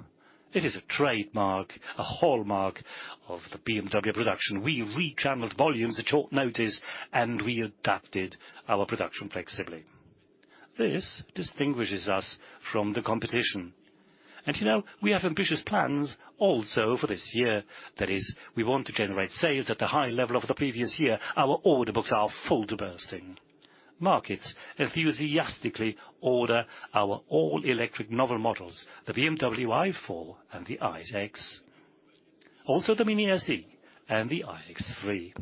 it is a trademark, a hallmark of the BMW production. We rechanneled volumes at short notice, and we adapted our production flexibility. This distinguishes us from the competition. You know, we have ambitious plans also for this year. That is, we want to generate sales at the high level of the previous year. Our order books are full to bursting. Markets enthusiastically order our all-electric novel models, the BMW i4 and the iX. Also, the MINI SE and the iX3.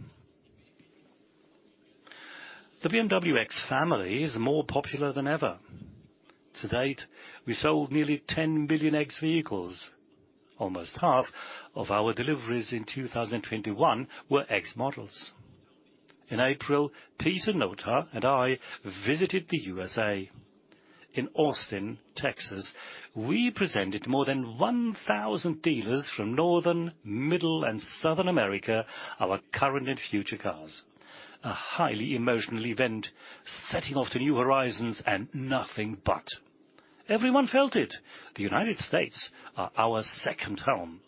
The BMW X family is more popular than ever. To date, we sold nearly 10 billion X vehicles. Almost half of our deliveries in 2021 were X models. In April, Pieter Nota and I visited the USA. In Austin, Texas, we presented more than 1,000 dealers from Northern, Middle, and Southern America our current and future cars. A highly emotional event, setting off to new horizons and nothing but. Everyone felt it. The United States are our second home.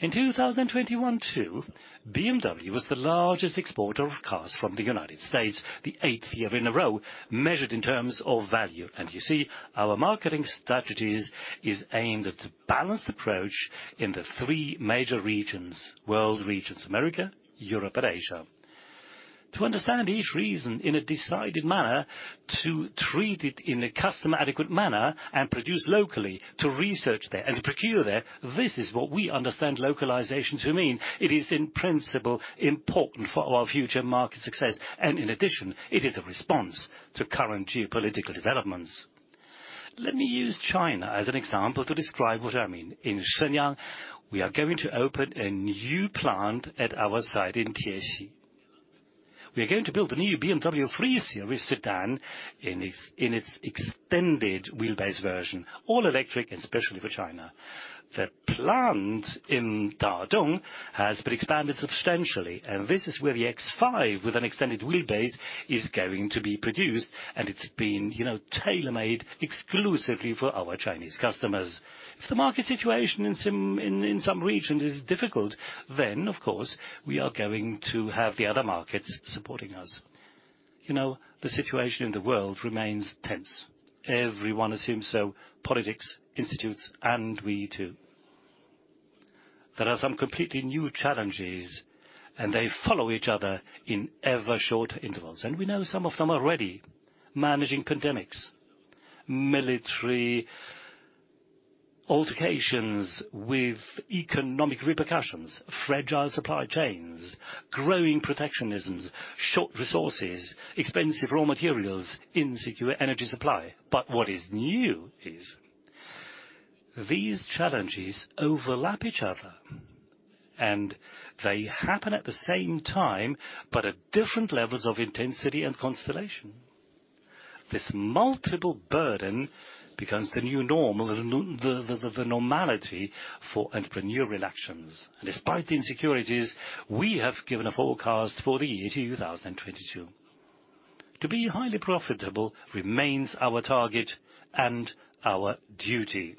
In 2021 too, BMW was the largest exporter of cars from the United States, the 8th year in a row, measured in terms of value. You see, our marketing strategies is aimed at a balanced approach in the three major regions, world regions, America, Europe, and Asia. To understand each region in a decided manner, to treat it in a custom adequate manner and produce locally, to research there and procure there, this is what we understand localization to mean. It is in principle important for our future market success. In addition, it is a response to current geopolitical developments. Let me use China as an example to describe what I mean. In Shenyang, we are going to open a new plant at our site in Tiexi. We are going to build a new BMW 3 Series sedan in its extended wheelbase version, all electric and especially for China. The plant in Dadong has been expanded substantially, and this is where the X5 with an extended wheelbase is going to be produced. It's been, you know, tailor-made exclusively for our Chinese customers. If the market situation in some regions is difficult, then, of course, we are going to have the other markets supporting us. You know, the situation in the world remains tense. Everyone assumes so, politics, institutes, and we, too. There are some completely new challenges, and they follow each other in ever shorter intervals. We know some of them already. Managing pandemics, military altercations with economic repercussions, fragile supply chains, growing protectionisms, short resources, expensive raw materials, insecure energy supply. What is new is these challenges overlap each other, and they happen at the same time, but at different levels of intensity and constellation. This multiple burden becomes the new normal, the normality for entrepreneurial actions. Despite the insecurities, we have given a forecast for the year 2022. To be highly profitable remains our target and our duty,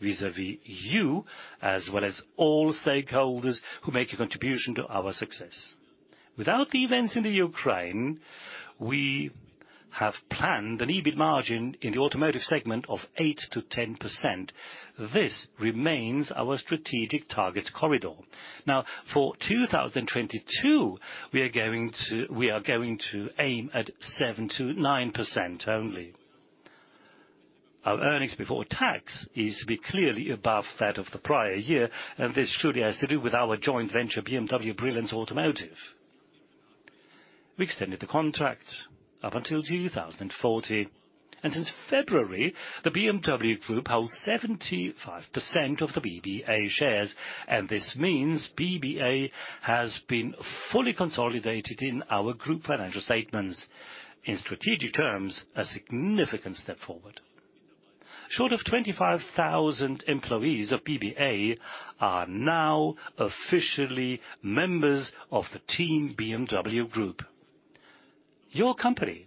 vis-à-vis you, as well as all stakeholders who make a contribution to our success. Without the events in the Ukraine, we have planned an EBIT margin in the automotive segment of 8%-10%. This remains our strategic target corridor. Now, for 2022, we are going to aim at 7%-9% only. Our earnings before tax is to be clearly above that of the prior year, and this surely has to do with our joint venture, BMW Brilliance Automotive. We extended the contract up until 2040. Since February, the BMW Group holds 75% of the BBA shares, and this means BBA has been fully consolidated in our group financial statements. In strategic terms, a significant step forward. Some 25,000 employees of BBA are now officially members of the team BMW Group. Your company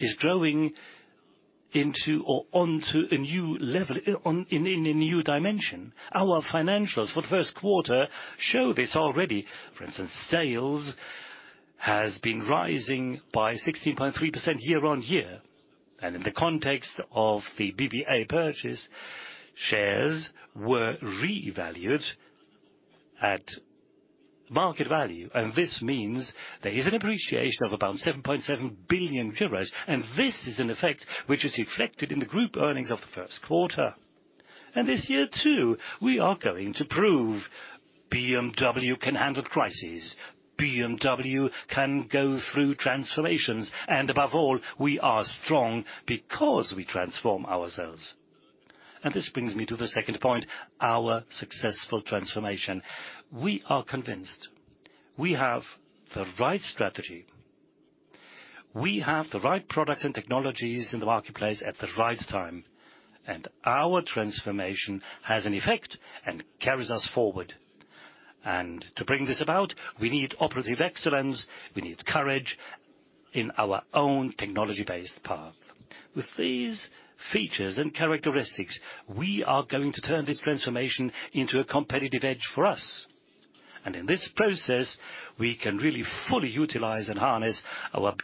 is growing into or onto a new level in a new dimension. Our financials for the first quarter show this already. For instance, sales has been rising by 16.3% year-on-year. In the context of the BBA purchase, shares were revalued at market value, and this means there is an appreciation of about 7.7 billion euros, and this is an effect which is reflected in the group earnings of the first quarter. This year, too, we are going to prove BMW can handle crises, BMW can go through transformations, and above all, we are strong because we transform ourselves. This brings me to the second point, our successful transformation. We are convinced we have the right strategy, we have the right products and technologies in the marketplace at the right time, and our transformation has an effect and carries us forward. To bring this about, we need operative excellence, we need courage in our own technology-based path. With these features and characteristics, we are going to turn this transformation into a competitive edge for us. In this process, we can really fully utilize and harness our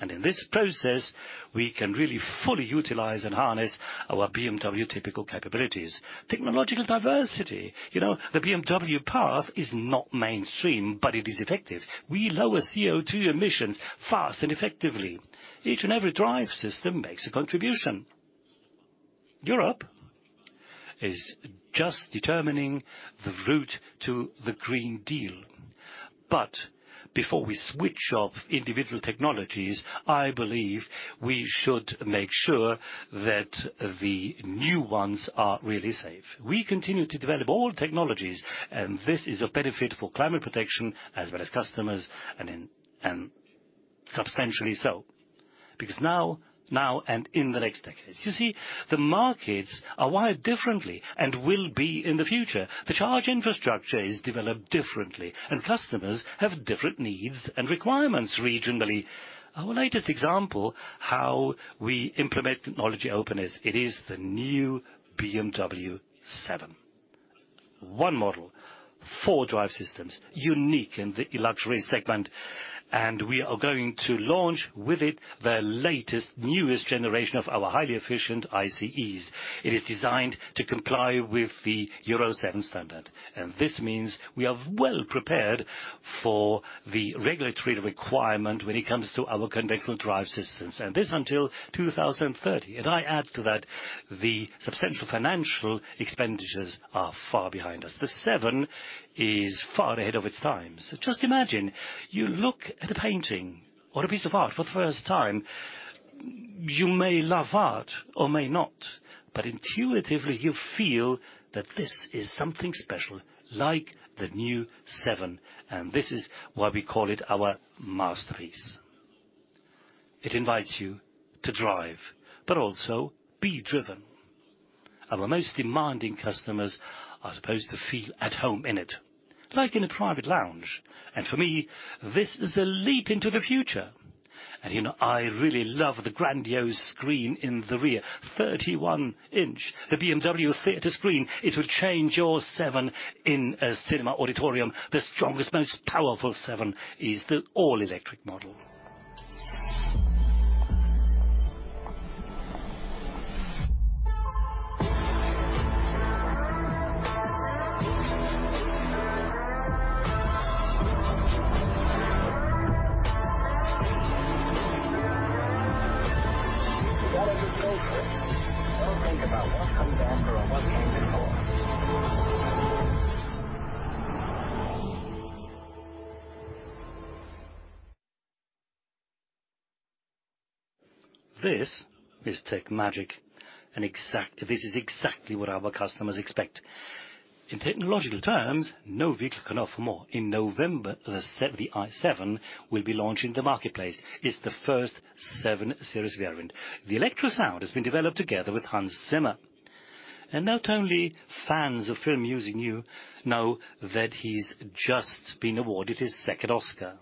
BMW typical capabilities. Technological diversity. You know, the BMW path is not mainstream, but it is effective. We lower CO2 emissions fast and effectively. Each and every drive system makes a contribution. Europe is just determining the route to the Green Deal. Before we switch off individual technologies, I believe we should make sure that the new ones are really safe. We continue to develop all technologies, and this is a benefit for climate protection as well as customers and substantially so, because now and in the next decades. You see, the markets are wired differently and will be in the future. The charge infrastructure is developed differently and customers have different needs and requirements regionally. Our latest example, how we implement technology openness. It is the new BMW Seven. One model, four drive systems, unique in the luxury segment, and we are going to launch with it the latest, newest generation of our highly efficient ICEs. It is designed to comply with the Euro Seven standard, and this means we are well prepared for the regulatory requirement when it comes to our conventional drive systems, and this until 2030. I add to that, the substantial financial expenditures are far behind us. The Seven is far ahead of its time. Just imagine, you look at a painting or a piece of art for the first time. You may love art or may not, but intuitively you feel that this is something special like the new Seven, and this is why we call it our masterpiece. It invites you to drive but also be driven. Our most demanding customers are supposed to feel at home in it, like in a private lounge. For me, this is a leap into the future. You know, I really love the grandiose screen in the rear. 31-inch, the BMW Theatre Screen. It will change your Seven in a cinema auditorium. The strongest, most powerful Seven is the all-electric model. This is tech magic, this is exactly what our customers expect. In technological terms, no vehicle can offer more. In November, the i7 will be launched in the marketplace. It's the first Seven Series variant. The electro sound has been developed together with Hans Zimmer. Not only fans of film music know that he's just been awarded his second Oscar.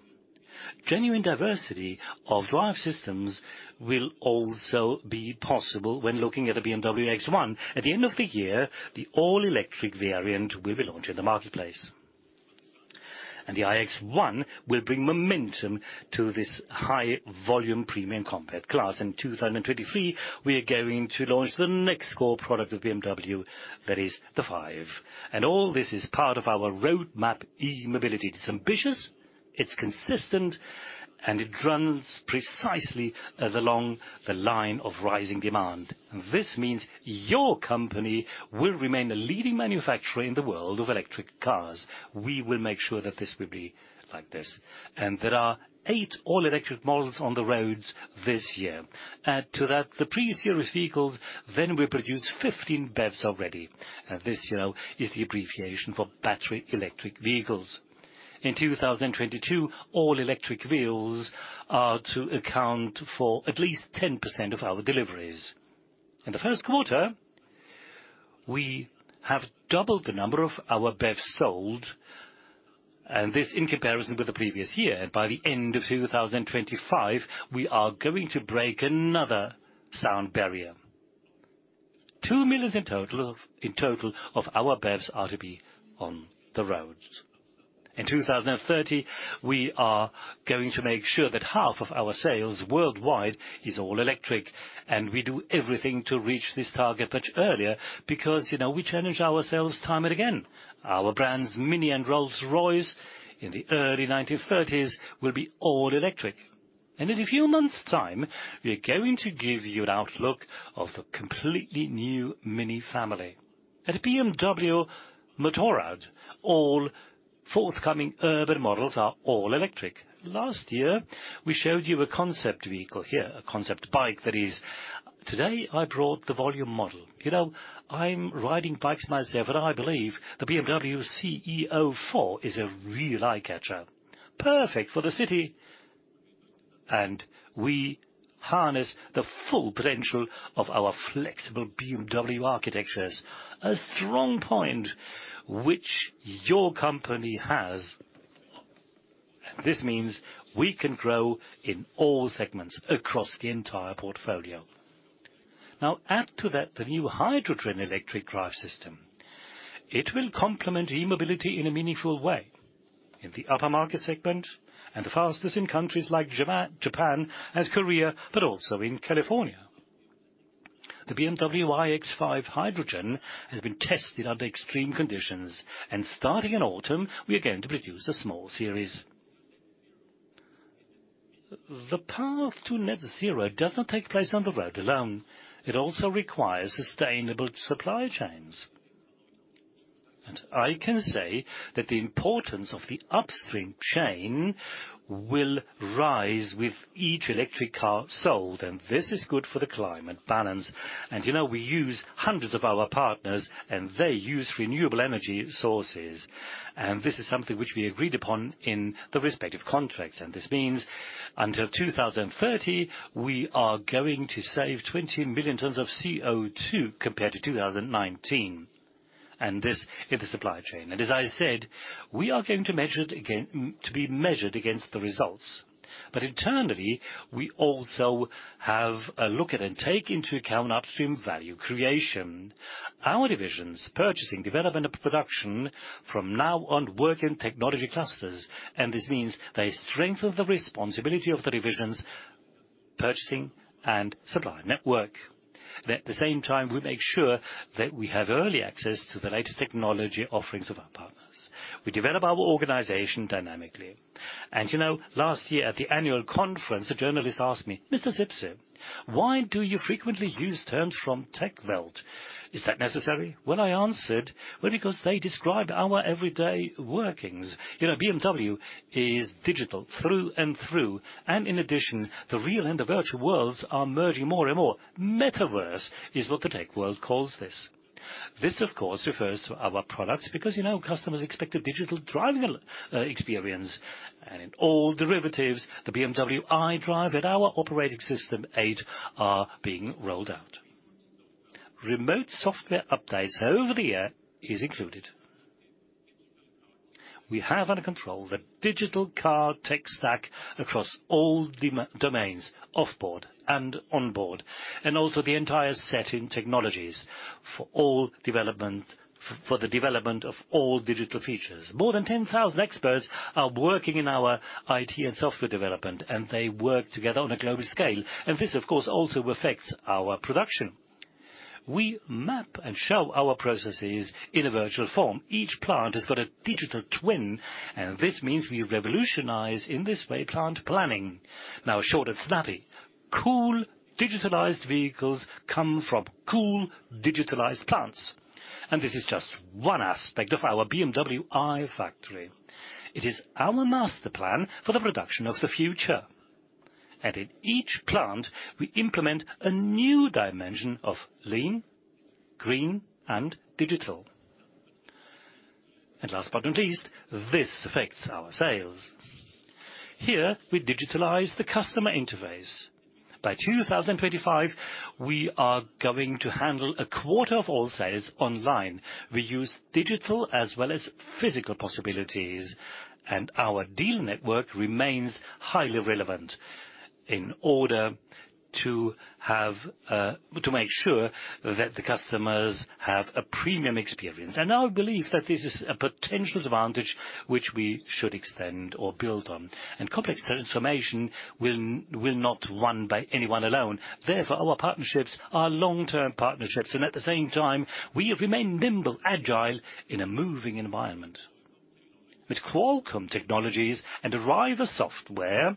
Genuine diversity of drive systems will also be possible when looking at the BMW X1. At the end of the year, the all-electric variant will be launched in the marketplace. The iX1 will bring momentum to this high-volume premium compact class. In 2023, we are going to launch the next core product of BMW, that is the Five. All this is part of our roadmap, e-mobility. It's ambitious, it's consistent, and it runs precisely along the line of rising demand. This means your company will remain a leading manufacturer in the world of electric cars. We will make sure that this will be like this. There are eight all-electric models on the roads this year. Add to that, the pre-series vehicles, then we produce 15 BEVs already. This, you know, is the abbreviation for battery electric vehicles. In 2022, all-electric vehicles are to account for at least 10% of our deliveries. In the first quarter, we have doubled the number of our BEVs sold, and this in comparison with the previous year. By the end of 2025, we are going to break another sound barrier. 2 million in total of our BEVs are to be on the roads. In 2030, we are going to make sure that half of our sales worldwide is all electric. We do everything to reach this target much earlier because, you know, we challenge ourselves time and again. Our brands, MINI and Rolls-Royce, in the early 2030s will be all electric. In a few months' time, we are going to give you an outlook of the completely new MINI family. At BMW Motorrad, all forthcoming urban models are all electric. Last year, we showed you a concept vehicle here, a concept bike that is. Today, I brought the volume model. You know, I'm riding bikes myself, and I believe the BMW CE 04 is a real eye-catcher. Perfect for the city, and we harness the full potential of our flexible BMW architectures, a strong point which your company has. This means we can grow in all segments across the entire portfolio. Now add to that the new hydrogen electric drive system. It will complement e-mobility in a meaningful way in the upper market segment and the fastest in countries like Japan and Korea, but also in California. The BMW iX5 Hydrogen has been tested under extreme conditions. Starting in autumn, we are going to produce a small series. The path to net zero does not take place on the road alone. It also requires sustainable supply chains. I can say that the importance of the upstream chain will rise with each electric car sold. This is good for the climate balance. You know, we use hundreds of our partners and they use renewable energy sources. This is something which we agreed upon in the respective contracts. This means until 2030, we are going to save 20 million tons of CO2 compared to 2019. This in the supply chain. As I said, we are going to be measured against the results. Internally, we also have a look at and take into account upstream value creation. Our divisions, purchasing, development, and production from now on work in technology clusters. This means they strengthen the responsibility of the divisions, purchasing and supply network. At the same time, we make sure that we have early access to the latest technology offerings of our partners. We develop our organization dynamically. You know, last year at the annual conference, a journalist asked me, "Mr. Zipse, why do you frequently use terms from tech world? Is that necessary?" Well, I answered, "Well, because they describe our everyday workings." You know, BMW is digital through and through. In addition, the real and the virtual worlds are merging more and more. Metaverse is what the tech world calls this. This, of course, refers to our products because, you know, customers expect a digital driving experience. In all derivatives, the BMW iDrive and our Operating System 8 are being rolled out. Remote software updates over the air is included. We have under control the digital car tech stack across all domains, off-board and on-board, and also the entire set of technologies for the development of all digital features. More than 10,000 experts are working in our IT and software development, and they work together on a global scale. This, of course, also affects our production. We map and show our processes in a virtual form. Each plant has got a digital twin, and this means we revolutionize, in this way, plant planning. Now, short and snappy, cool digitalized vehicles come from cool digitalized plants. This is just one aspect of our BMW iFACTORY. It is our master plan for the production of the future. In each plant, we implement a new dimension of lean, green, and digital. Last but not least, this affects our sales. Here, we digitalize the customer interface. By 2025, we are going to handle a quarter of all sales online. We use digital as well as physical possibilities. Our dealer network remains highly relevant in order to make sure that the customers have a premium experience. I believe that this is a potential advantage which we should extend or build on. Complex transformation will not run by anyone alone. Therefore, our partnerships are long-term partnerships, and at the same time, we remain nimble, agile, in a moving environment. With Qualcomm Technologies and Arriver software,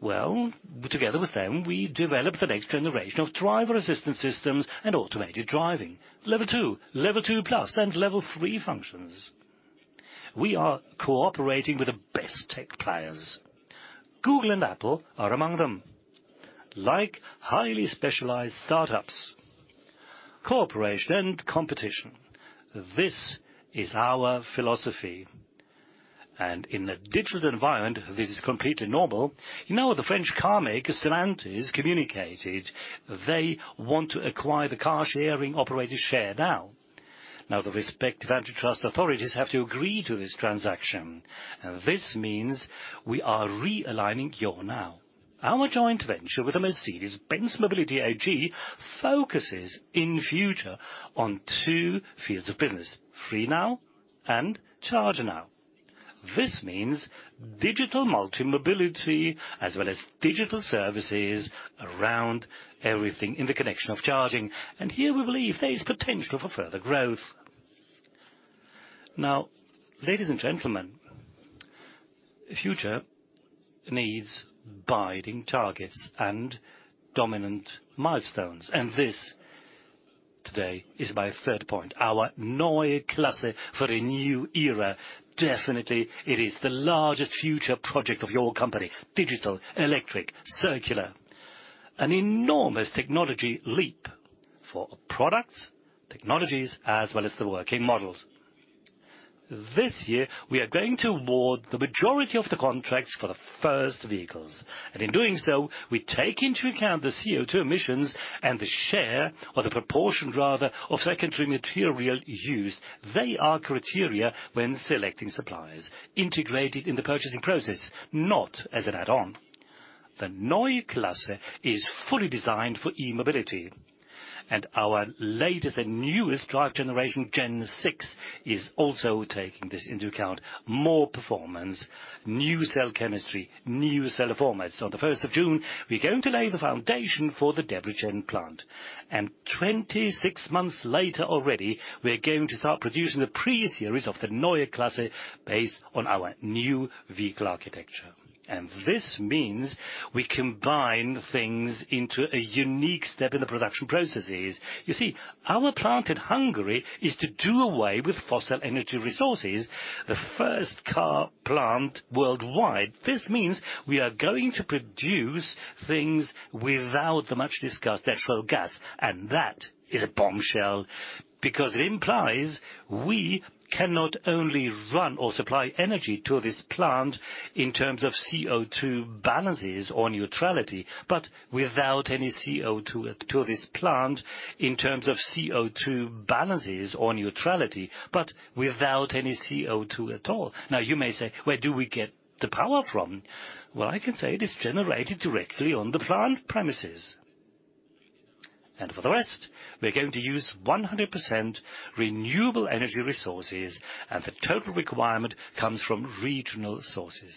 well, together with them, we developed the next generation of driver assistance systems and automated driving. Level 2, Level 2 plus, and Level 3 functions. We are cooperating with the best tech players. Google and Apple are among them, like highly specialized startups. Cooperation and competition, this is our philosophy. In a digital environment, this is completely normal. You know, the French carmaker, Stellantis, communicated they want to acquire the car sharing operator Share Now. Now, the respective antitrust authorities have to agree to this transaction. This means we are realigning here now. Our joint venture with the Mercedes-Benz Mobility AG focuses in future on two fields of business, FREE NOW and CHARGE NOW. This means digital multi-mobility as well as digital services around everything in the connection of charging. Here we believe there is potential for further growth. Now, ladies and gentlemen, the future needs binding targets and dominant milestones. This today is my third point. Our Neue Klasse for a new era. Definitely, it is the largest future project of your company. Digital, electric, circular. An enormous technology leap for products, technologies, as well as the working models. This year we are going to award the majority of the contracts for the first vehicles. In doing so, we take into account the CO2 emissions and the share or the proportion, rather, of secondary material used. They are criteria when selecting suppliers integrated in the purchasing process, not as an add-on. The Neue Klasse is fully designed for e-mobility, and our latest and newest drive generation, Gen Six, is also taking this into account. More performance, new cell chemistry, new cell formats. On the first of June, we're going to lay the foundation for the Debrecen plant, and 26 months later, already, we're going to start producing the pre-series of the Neue Klasse based on our new vehicle architecture. This means we combine things into a unique step in the production processes. You see, our plant in Hungary is to do away with fossil energy resources. The first car plant worldwide. This means we are going to produce things without the much-discussed natural gas. That is a bombshell because it implies we cannot only run or supply energy to this plant in terms of CO2 balances or neutrality, but without any CO2 at all. Now, you may say, "Where do we get the power from?" Well, I can say it is generated directly on the plant premises. For the rest, we're going to use 100% renewable energy resources, and the total requirement comes from regional sources.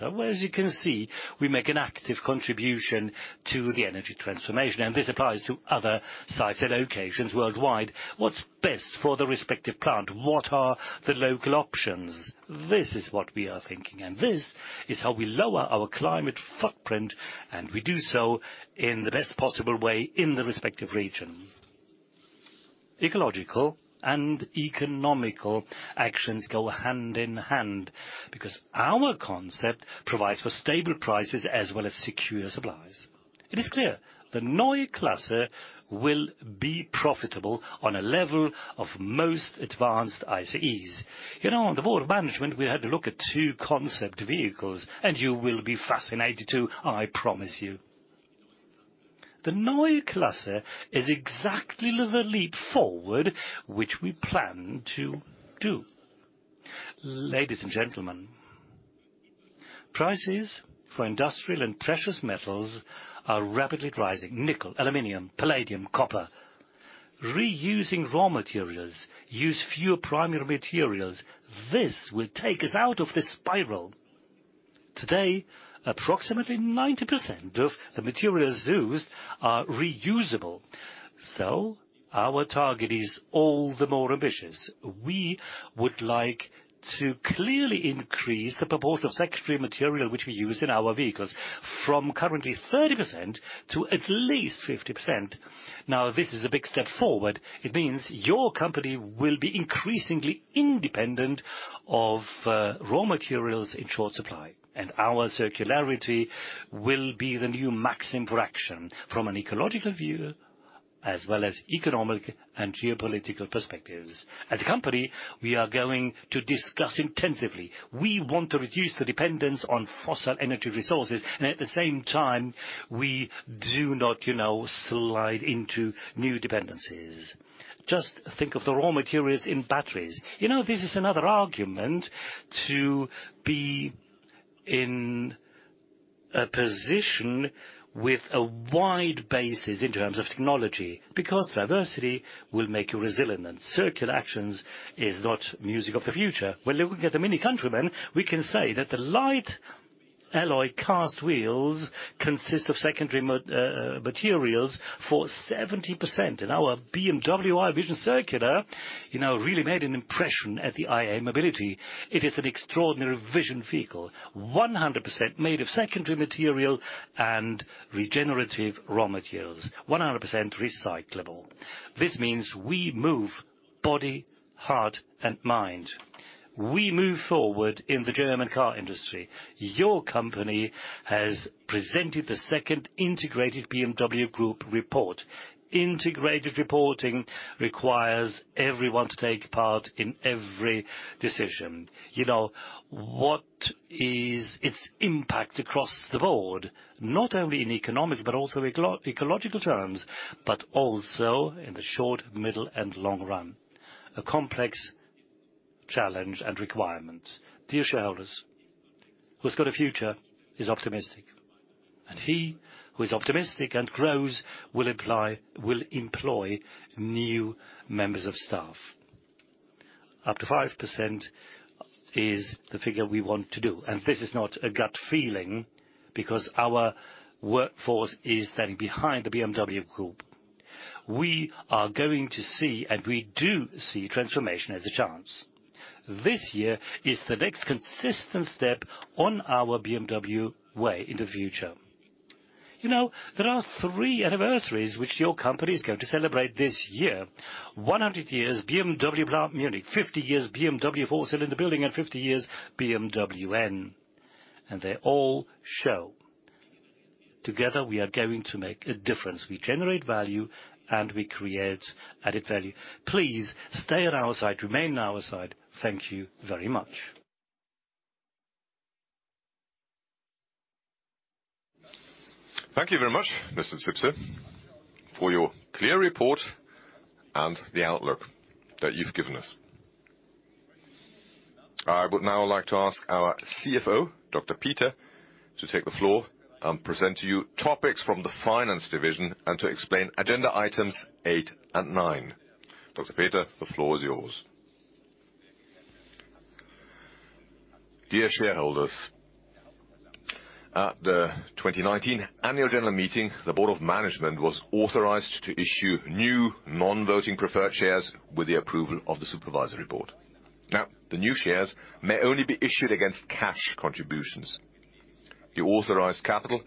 As you can see, we make an active contribution to the energy transformation, and this applies to other sites and locations worldwide. What's best for the respective plant? What are the local options? This is what we are thinking, and this is how we lower our climate footprint, and we do so in the best possible way in the respective region. Ecological and economical actions go hand in hand because our concept provides for stable prices as well as secure supplies. It is clear the Neue Klasse will be profitable on a level of most advanced ICEs. You know, on the board of management, we had to look at two concept vehicles, and you will be fascinated too, I promise you. The Neue Klasse is exactly the leap forward which we plan to do. Ladies and gentlemen, prices for industrial and precious metals are rapidly rising. Nickel, aluminum, palladium, copper. Reusing raw materials use fewer primary materials. This will take us out of this spiral. Today, approximately 90% of the materials used are reusable, so our target is all the more ambitious. We would like to clearly increase the proportion of secondary material which we use in our vehicles from currently 30% to at least 50%. Now, this is a big step forward. It means your company will be increasingly independent of raw materials in short supply. Our circularity will be the new maxim for action from an ecological view, as well as economic and geopolitical perspectives. As a company, we are going to discuss intensively. We want to reduce the dependence on fossil energy resources and at the same time, we do not, you know, slide into new dependencies. Just think of the raw materials in batteries. You know, this is another argument to be in a position with a wide basis in terms of technology, because diversity will make you resilient, and circular actions is not music of the future. When looking at the MINI Countryman, we can say that the light alloy cast wheels consist of secondary materials for 70%. Our BMW i Vision Circular, you know, really made an impression at the IAA Mobility. It is an extraordinary vision vehicle, 100% made of secondary material and regenerative raw materials. 100% recyclable. This means we move body, heart, and mind. We move forward in the German car industry. Your company has presented the second integrated BMW Group report. Integrated reporting requires everyone to take part in every decision. You know, what is its impact across the board, not only in economic but also eco-ecological terms, but also in the short, middle, and long run? A complex challenge and requirement. Dear shareholders, who's got a future is optimistic, and he who is optimistic and grows will apply, will employ new members of staff. Up to 5% is the figure we want to do, and this is not a gut feeling because our workforce is standing behind the BMW Group. We are going to see, and we do see transformation as a chance. This year is the next consistent step on our BMW way in the future. You know, there are three anniversaries which your company is going to celebrate this year. 100 years BMW Plant Munich, 50 years BMW four-cylinder building, and 50 years BMW M. They all show. Together we are going to make a difference. We generate value, and we create added value. Please stay at our side, remain at our side. Thank you very much. Thank you very much, Mr. Zipse, for your clear report and the outlook that you've given us. I would now like to ask our CFO, Dr. Peter, to take the floor and present to you topics from the finance division and to explain agenda items 8 and 9. Dr. Peter, the floor is yours. Dear shareholders, at the 2019 annual general meeting, the board of management was authorized to issue new non-voting preferred shares with the approval of the supervisory board. Now, the new shares may only be issued against cash contributions. The authorized capital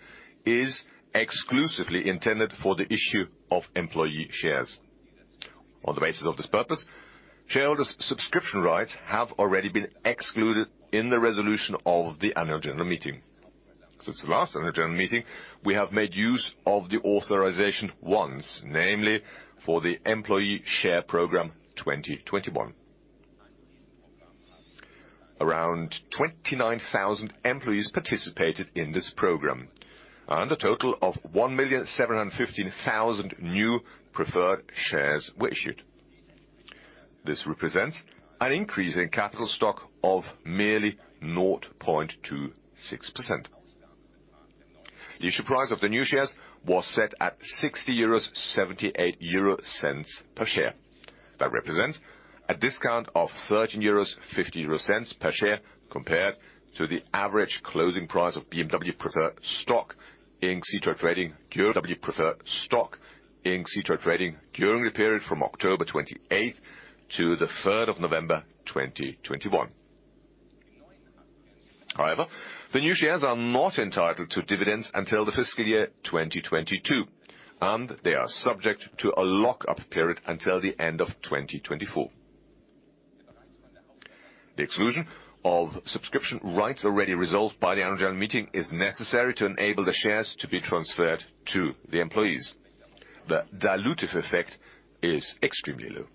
is exclusively intended for the issue of employee shares. On the basis of this purpose, shareholders subscription rights have already been excluded in the resolution of the annual general meeting. Since the last annual general meeting, we have made use of the authorization once, namely for the employee share program 2021. Around 29,000 employees participated in this program, and a total of 1,715,000 new preferred shares were issued. This represents an increase in capital stock of merely 0.26%. The issue price of the new shares was set at 60.78 euros per share. That represents a discount of 13.50 euros per share compared to the average closing price of BMW preferred stock in Xetra trading during the period from October 28 to November 3, 2021. However, the new shares are not entitled to dividends until the fiscal year 2022, and they are subject to a lock-up period until the end of 2024. The exclusion of subscription rights already resolved by the annual general meeting is necessary to enable the shares to be transferred to the employees. The dilutive effect is extremely low.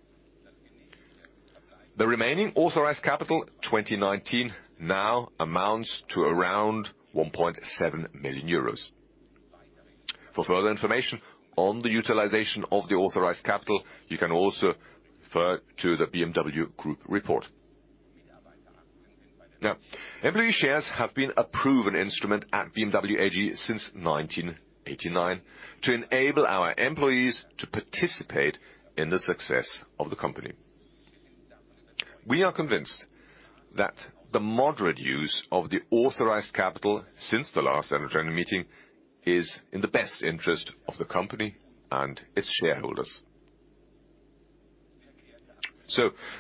The remaining authorized capital 2019 now amounts to around 1.7 million euros. For further information on the utilization of the authorized capital, you can also refer to the BMW Group report. Employee shares have been a proven instrument at BMW AG since 1989 to enable our employees to participate in the success of the company. We are convinced that the moderate use of the authorized capital since the last annual general meeting is in the best interest of the company and its shareholders.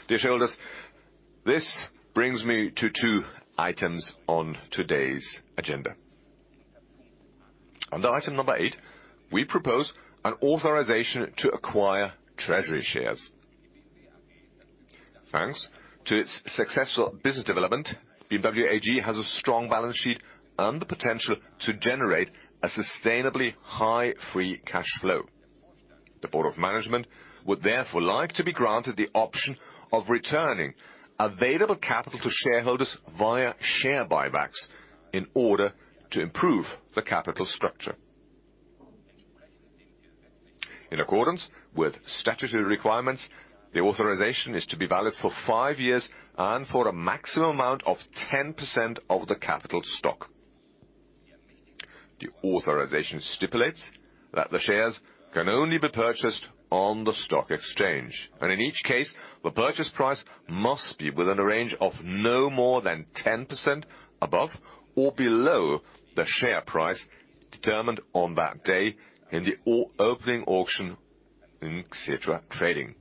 Dear shareholders, this brings me to 2 items on today's agenda. Under item number 8, we propose an authorization to acquire treasury shares. Thanks to its successful business development, BMW AG has a strong balance sheet and the potential to generate a sustainably high free cash flow. The board of management would therefore like to be granted the option of returning available capital to shareholders via share buybacks in order to improve the capital structure. In accordance with statutory requirements, the authorization is to be valid for five years and for a maximum amount of 10% of the capital stock. The authorization stipulates that the shares can only be purchased on the stock exchange, and in each case, the purchase price must be within a range of no more than 10% above or below the share price determined on that day in the opening auction in Xetra trading.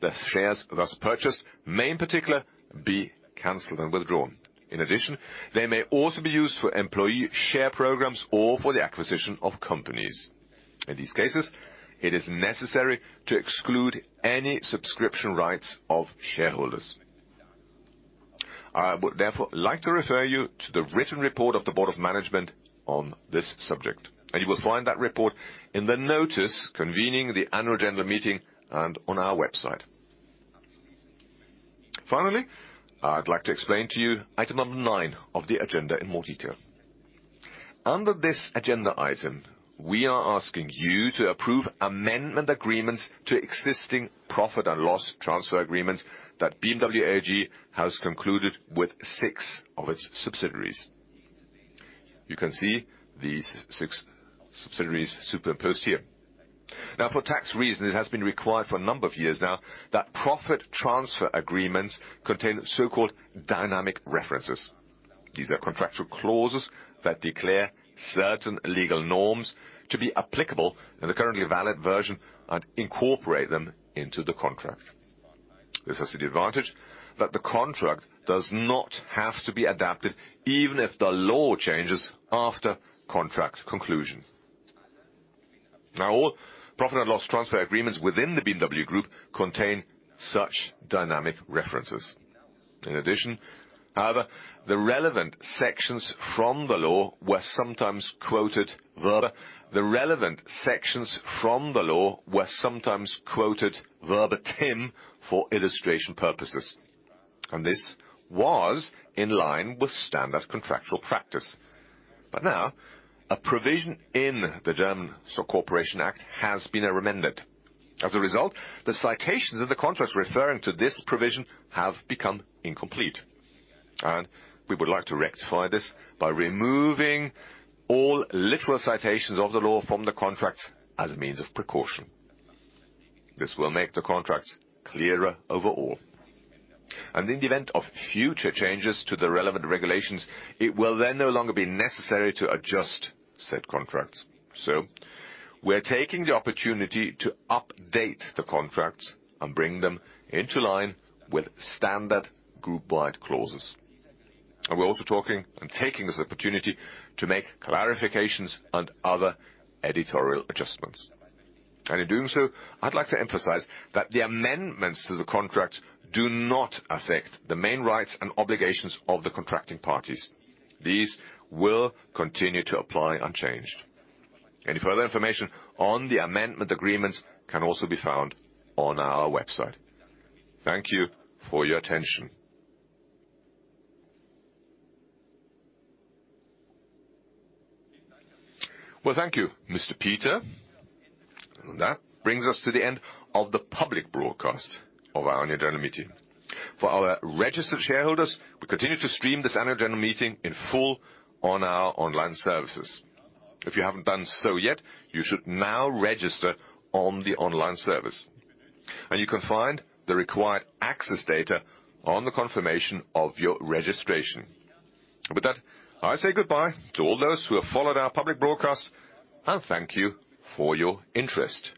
The shares, thus purchased, may in particular be canceled and withdrawn. In addition, they may also be used for employee share programs or for the acquisition of companies. In these cases, it is necessary to exclude any subscription rights of shareholders. I would therefore like to refer you to the written report of the board of management on this subject, and you will find that report in the notice convening the annual general meeting and on our website. Finally, I'd like to explain to you item number nine of the agenda in more detail. Under this agenda item, we are asking you to approve amendment agreements to existing profit and loss transfer agreements that BMW AG has concluded with six of its subsidiaries. You can see these six subsidiaries superimposed here. Now, for tax reasons, it has been required for a number of years now that profit transfer agreements contain so-called dynamic references. These are contractual clauses that declare certain legal norms to be applicable in the currently valid version and incorporate them into the contract. This has the advantage that the contract does not have to be adapted even if the law changes after contract conclusion. Now all profit and loss transfer agreements within the BMW Group contain such dynamic references. In addition, however, the relevant sections from the law were sometimes quoted verbatim for illustration purposes, and this was in line with standard contractual practice. Now a provision in the German Stock Corporation Act has been amended. As a result, the citations in the contracts referring to this provision have become incomplete, and we would like to rectify this by removing all literal citations of the law from the contracts as a means of precaution. This will make the contracts clearer overall. In the event of future changes to the relevant regulations, it will then no longer be necessary to adjust said contracts. We're taking the opportunity to update the contracts and bring them into line with standard group-wide clauses. We're also talking and taking this opportunity to make clarifications and other editorial adjustments. In doing so, I'd like to emphasize that the amendments to the contracts do not affect the main rights and obligations of the contracting parties. These will continue to apply unchanged. Any further information on the amendment agreements can also be found on our website. Thank you for your attention. Well, thank you, Dr. Peter. That brings us to the end of the public broadcast of our Annual General Meeting. For our registered shareholders, we continue to stream this Annual General Meeting in full on our online services. If you haven't done so yet, you should now register on the online service, and you can find the required access data on the confirmation of your registration. With that, I say goodbye to all those who have followed our public broadcast, and thank you for your interest.